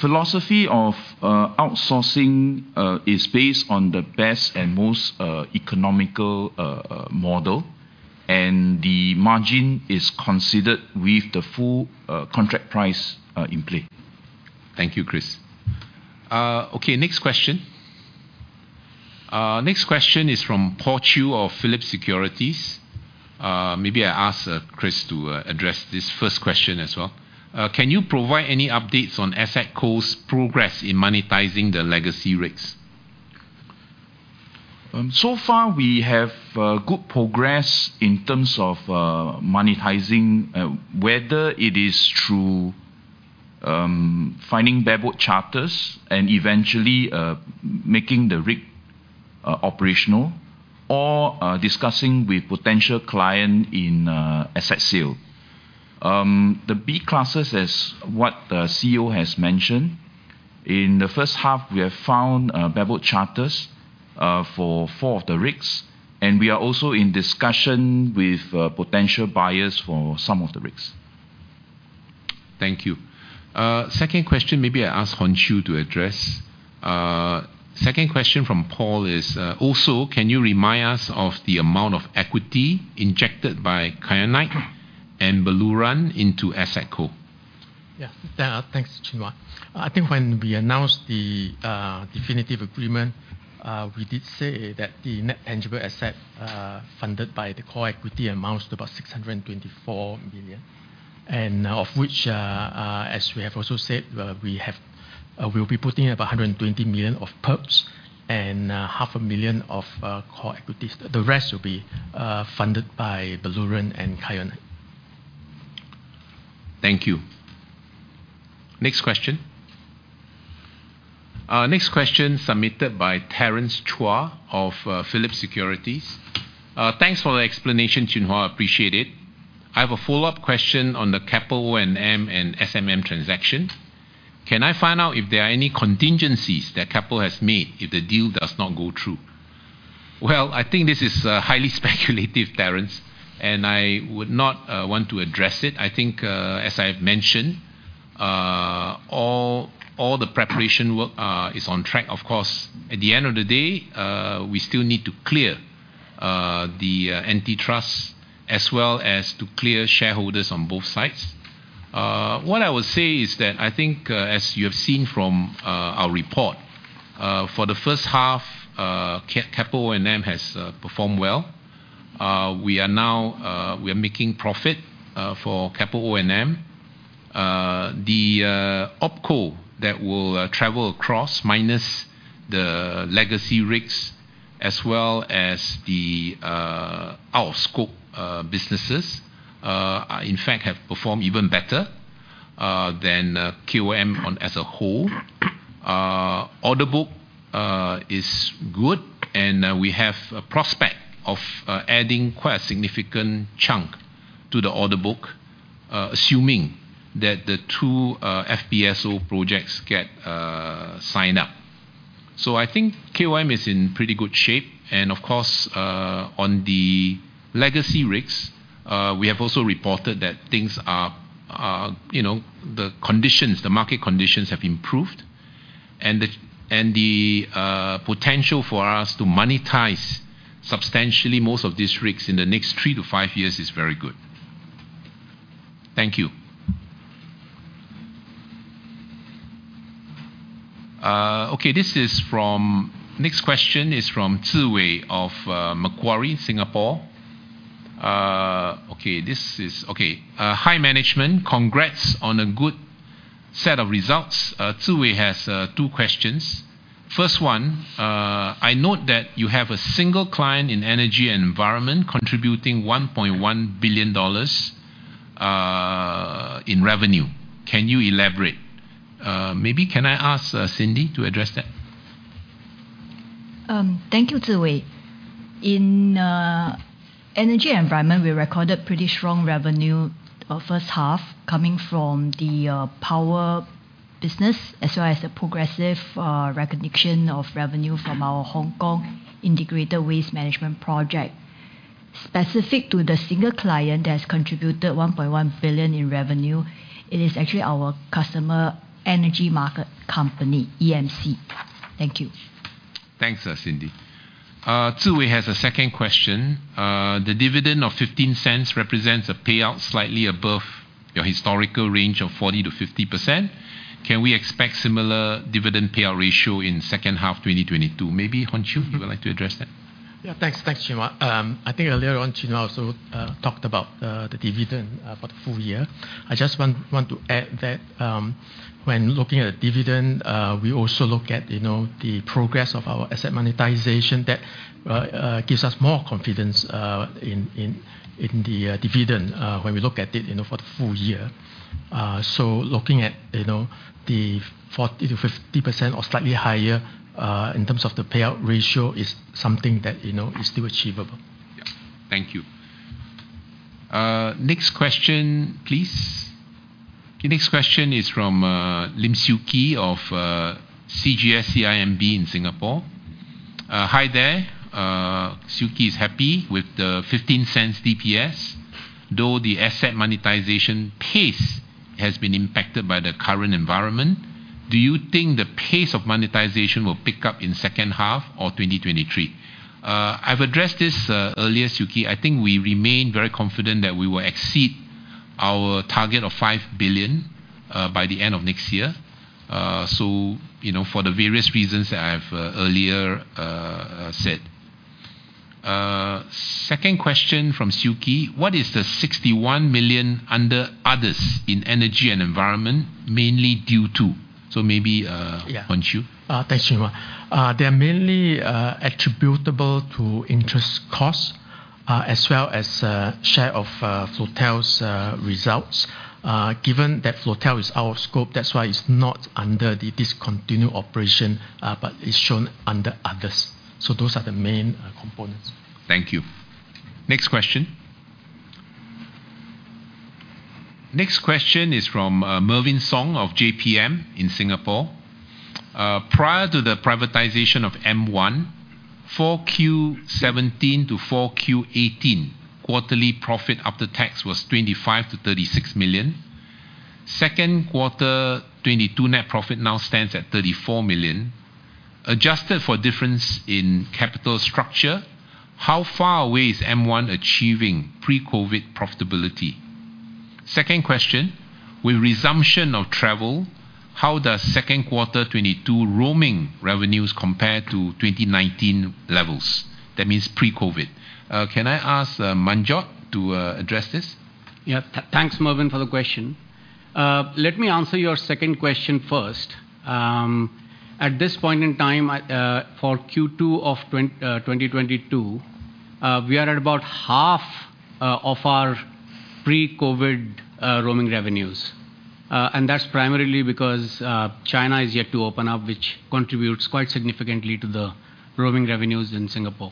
[SPEAKER 8] philosophy of outsourcing is based on the best and most economical model, and the margin is considered with the full contract price in play.
[SPEAKER 2] Thank you, Chris. Okay, next question. Next question is from Paul Chew of Phillip Securities. Maybe I ask Chris to address this first question as well. Can you provide any updates on AssetCo's progress in monetizing the legacy rigs?
[SPEAKER 8] So far we have good progress in terms of monetizing whether it is through finding bareboat charters and eventually making the rig operational or discussing with potential client in asset sale. The B classes, as what the CEO has mentioned, in the first half we have found bareboat charters for four of the rigs, and we are also in discussion with potential buyers for some of the rigs.
[SPEAKER 2] Thank you. Second question, maybe I ask Chan Hon Chew to address. Second question from Paul is, also, can you remind us of the amount of equity injected by Kyanite and Baluran into AssetCo?
[SPEAKER 3] Yeah. Yeah, thanks, Loh Chin Hua. I think when we announced the definitive agreement, we did say that the net tangible asset funded by the core equity amounts to about 624 million. Of which, as we have also said, we'll be putting in about 120 million of Perps and SGD half a million of core equities. The rest will be funded by Baluran and Kyanite.
[SPEAKER 2] Thank you. Next question. Our next question submitted by Terrence Chua of Phillip Securities. Thanks for the explanation, Loh Chin Hua, appreciate it. I have a follow-up question on the Keppel O&M and SMM transaction. Can I find out if there are any contingencies that Keppel has made if the deal does not go through? Well, I think this is highly speculative, Terrence, and I would not want to address it. I think, as I have mentioned, all the preparation work is on track. Of course, at the end of the day, we still need to clear the antitrust as well as to clear shareholders on both sides. What I would say is that I think, as you have seen from our report for the first half, Keppel O&M has performed well. We are now making profit for Keppel O&M. The OpCo that will travel across minus the legacy rigs as well as the out-of-scope businesses in fact have performed even better than Keppel O&M as a whole. Order book is good, and we have a prospect of adding quite a significant chunk to the order book, assuming that the 2 FPSO projects get signed up. I think Keppel O&M is in pretty good shape. Of course, on the legacy rigs, we have also reported that things are, you know, the conditions, the market conditions have improved. The potential for us to monetize substantially most of these rigs in the next 3-5 years is very good. Thank you. Okay, this is from. Next question is from Foo Zhiwei of Macquarie, Singapore. Okay, "Hi, management. Congrats on a good set of results." Foo Zhiwei has two questions. "First one, I note that you have a single client in energy and environment contributing 1.1 billion dollars in revenue. Can you elaborate?" Maybe can I ask Cindy to address that?
[SPEAKER 7] Thank you, Foo Zhiwei. In energy environment, we recorded pretty strong revenue of first half coming from the power business, as well as the progressive recognition of revenue from our Hong Kong integrated waste management project. Specific to the single client that has contributed 1.1 billion in revenue, it is actually our customer, Energy Market Company, EMC. Thank you.
[SPEAKER 2] Thanks, Cindy. Foo Zhiwei has a second question. The dividend of 0.15 represents a payout slightly above your historical range of 40%-50%. Can we expect similar dividend payout ratio in second half 2022? Maybe Chan Hon Chew, would you like to address that?
[SPEAKER 3] Yeah, thanks. Thanks, Loh Chin Hua. I think earlier on, Loh Chin Hua also talked about the dividend for the full year. I just want to add that when looking at dividend, we also look at, you know, the progress of our asset monetization that gives us more confidence in the dividend when we look at it, you know, for the full year. Looking at, you know, the 40%-50%, or slightly higher, in terms of the payout ratio is something that, you know, is still achievable.
[SPEAKER 2] Yeah. Thank you. Next question please. Okay, next question is from Lim Siew Khee of CGS-CIMB in Singapore. "Hi there." Lim Siew Khee is happy with the 0.15 DPS, though the asset monetization pace has been impacted by the current environment. Do you think the pace of monetization will pick up in second half of 2023? I've addressed this earlier, Lim Siew Khee. I think we remain very confident that we will exceed our target of 5 billion by the end of next year. So, you know, for the various reasons I have earlier said. Second question from Lim Siew Khee, "What is the 61 million under others in energy and environment mainly due to?" So maybe, Chan Hon Chew?
[SPEAKER 3] Yeah. Thanks, Loh Chin Hua. They're mainly attributable to interest costs, as well as share of Floatel's results. Given that Floatel is out of scope, that's why it's not under the discontinued operation, but is shown under others. Those are the main components.
[SPEAKER 2] Thank you. Next question. Next question is from Mervin Song of JPM in Singapore. Prior to the privatization of M1, Q417 to Q418, quarterly profit after tax was 25 million-36 million. Q2 2022 net profit now stands at 34 million. Adjusted for difference in capital structure, how far away is M1 achieving pre-COVID profitability? Second question, with resumption of travel, how does Q2 2022 roaming revenues compare to 2019 levels? That means pre-COVID. Can I ask Manjot to address this?
[SPEAKER 9] Yeah. Thanks, Mervin, for the question. Let me answer your second question first. At this point in time, for Q2 of 2022, we are at about half of our pre-COVID roaming revenues. That's primarily because China is yet to open up, which contributes quite significantly to the roaming revenues in Singapore.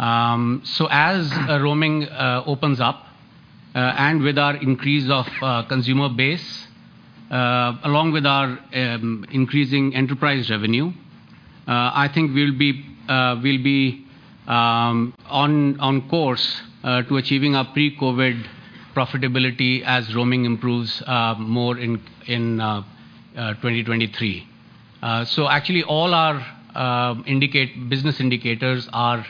[SPEAKER 9] As roaming opens up, and with our increase of consumer base, along with our increasing enterprise revenue, I think we'll be on course to achieving our pre-COVID profitability as roaming improves more in 2023. Actually all our key business indicators are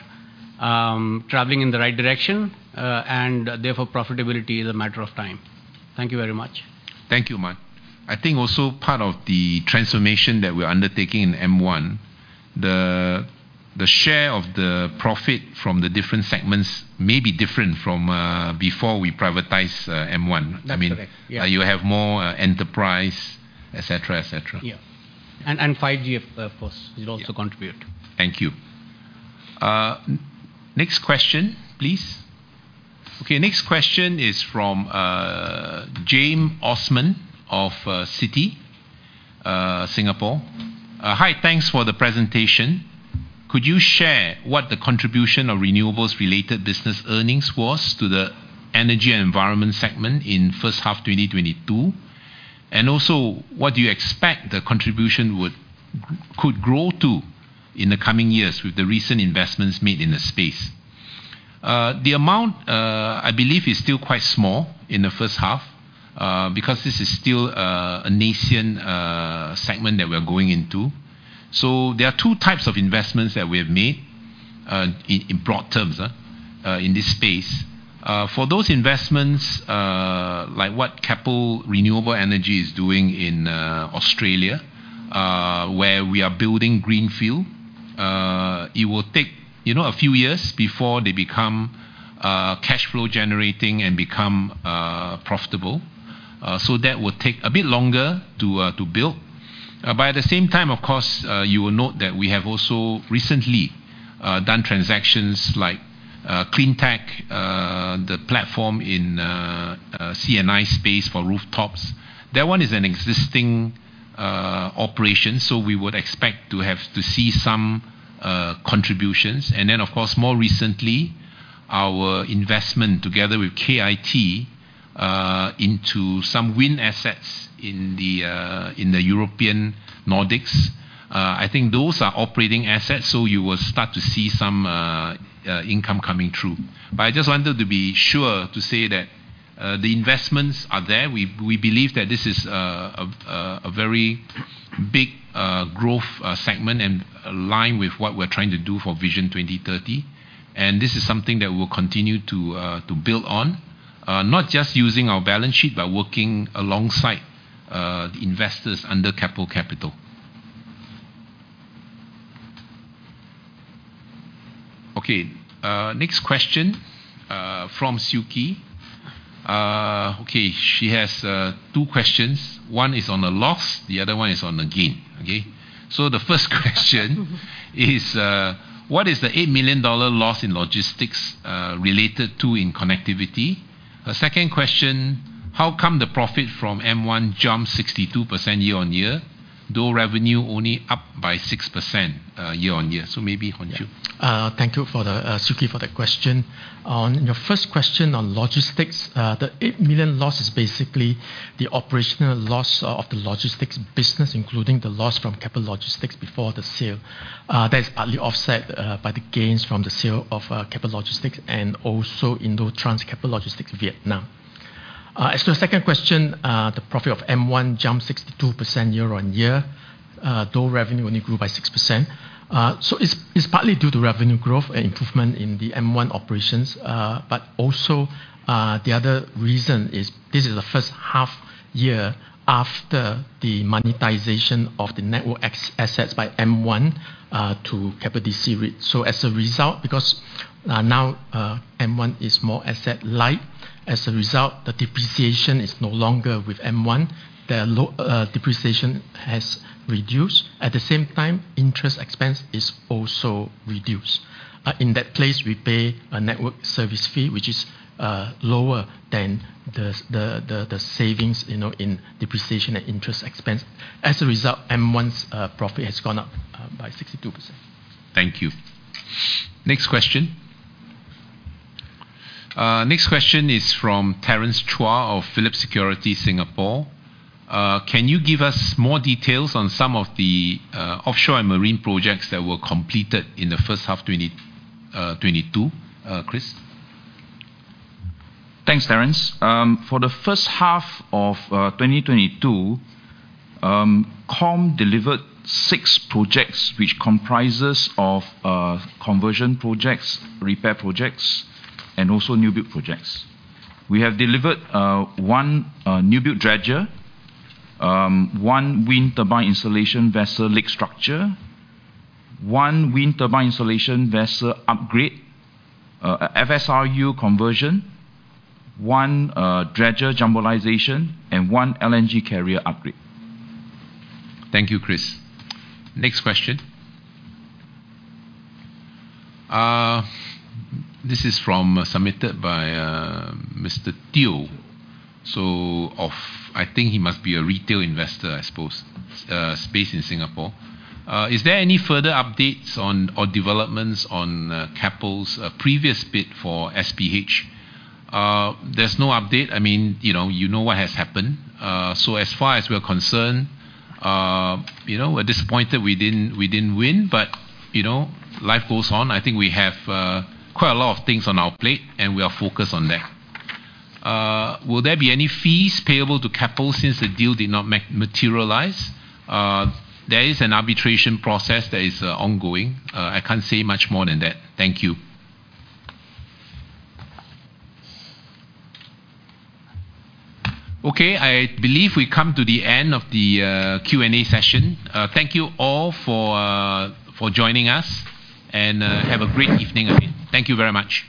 [SPEAKER 9] traveling in the right direction. Therefore profitability is a matter of time. Thank you very much.
[SPEAKER 2] Thank you, Manjot. I think also part of the transformation that we're undertaking in M1, the share of the profit from the different segments may be different from before we privatized M1.
[SPEAKER 9] That's correct. Yeah.
[SPEAKER 2] I mean, you have more, enterprise, et cetera, et cetera.
[SPEAKER 9] 5G, of course.
[SPEAKER 2] Yeah
[SPEAKER 9] Will also contribute.
[SPEAKER 2] Thank you. Next question please. Okay, next question is from Jame Osman of Citi, Singapore. "Hi, thanks for the presentation. Could you share what the contribution of renewables related business earnings was to the energy and environment segment in first half 2022? And also what do you expect the contribution could grow to in the coming years with the recent investments made in this space? The amount, I believe is still quite small in the first half, because this is still a nascent segment that we're going into. There are two types of investments that we have made, in broad terms, in this space. For those investments, like what Keppel Renewable Energy is doing in Australia, where we are building greenfield, it will take, you know, a few years before they become cash flow generating and become profitable. That will take a bit longer to build. At the same time, of course, you will note that we have also recently done transactions like Cleantech, the platform in C&I space for rooftops. That one is an existing operation, so we would expect to have to see some contributions. Of course, more recently, our investment together with KIT into some wind assets in the European Nordics. I think those are operating assets, so you will start to see some income coming through. I just wanted to be sure to say that, the investments are there. We believe that this is a very big growth segment and align with what we're trying to do for Vision 2030. This is something that we'll continue to build on. Not just using our balance sheet, but working alongside the investors under Keppel Capital. Okay. Next question from Lim Siew Khee. Okay, she has two questions. One is on the loss, the other one is on the gain. Okay? The first question is, what is the 8 million dollar loss in logistics related to in connectivity? Her second question, how come the profit from M1 jumped 62% year-on-year, though revenue only up by 6% year-on-year? Maybe Chan Hon Chew.
[SPEAKER 3] Thank you, Lim Siew Khee, for the question. On your first question on logistics, the 8 million loss is basically the operational loss of the logistics business, including the loss from Keppel Logistics before the sale. That is partly offset by the gains from the sale of Keppel Logistics and also Indo-Trans Keppel Logistics Vietnam. As to the second question, the profit of M1 jumped 62% year-on-year, though revenue only grew by 6%. It's partly due to revenue growth and improvement in the M1 operations. Also, the other reason is this is the first half year after the monetization of the network assets by M1 to Keppel DC REIT. As a result, because now M1 is more asset light, as a result, the depreciation is no longer with M1. Their depreciation has reduced. At the same time, interest expense is also reduced. In that space, we pay a network service fee, which is lower than the savings, you know, in depreciation and interest expense. As a result, M1's profit has gone up by 62%.
[SPEAKER 2] Thank you. Next question. Next question is from Terrence Chua of Phillip Securities Singapore. Can you give us more details on some of the offshore and marine projects that were completed in the first half 2022? Chris?
[SPEAKER 8] Thanks, Terrence. For the first half of 2022, O&M delivered 6 projects which comprises of conversion projects, repair projects, and also new build projects. We have delivered one new build dredger, one wind turbine installation vessel leg structure, one wind turbine installation vessel upgrade, a FSRU conversion, one dredger jumboization, and one LNG carrier upgrade.
[SPEAKER 2] Thank you, Chris. Next question. This is from, submitted by, Danny Teoh. I think he must be a retail investor, I suppose. Space in Singapore. Is there any further updates on or developments on Keppel's previous bid for SPH? There's no update. I mean, you know, you know what has happened. So as far as we're concerned, you know, we're disappointed we didn't win, but you know, life goes on. I think we have quite a lot of things on our plate, and we are focused on that. Will there be any fees payable to Keppel since the deal did not materialize? There is an arbitration process that is ongoing. I can't say much more than that. Thank you. Okay, I believe we come to the end of the Q&A session. Thank you all for joining us. Have a great evening again. Thank you very much.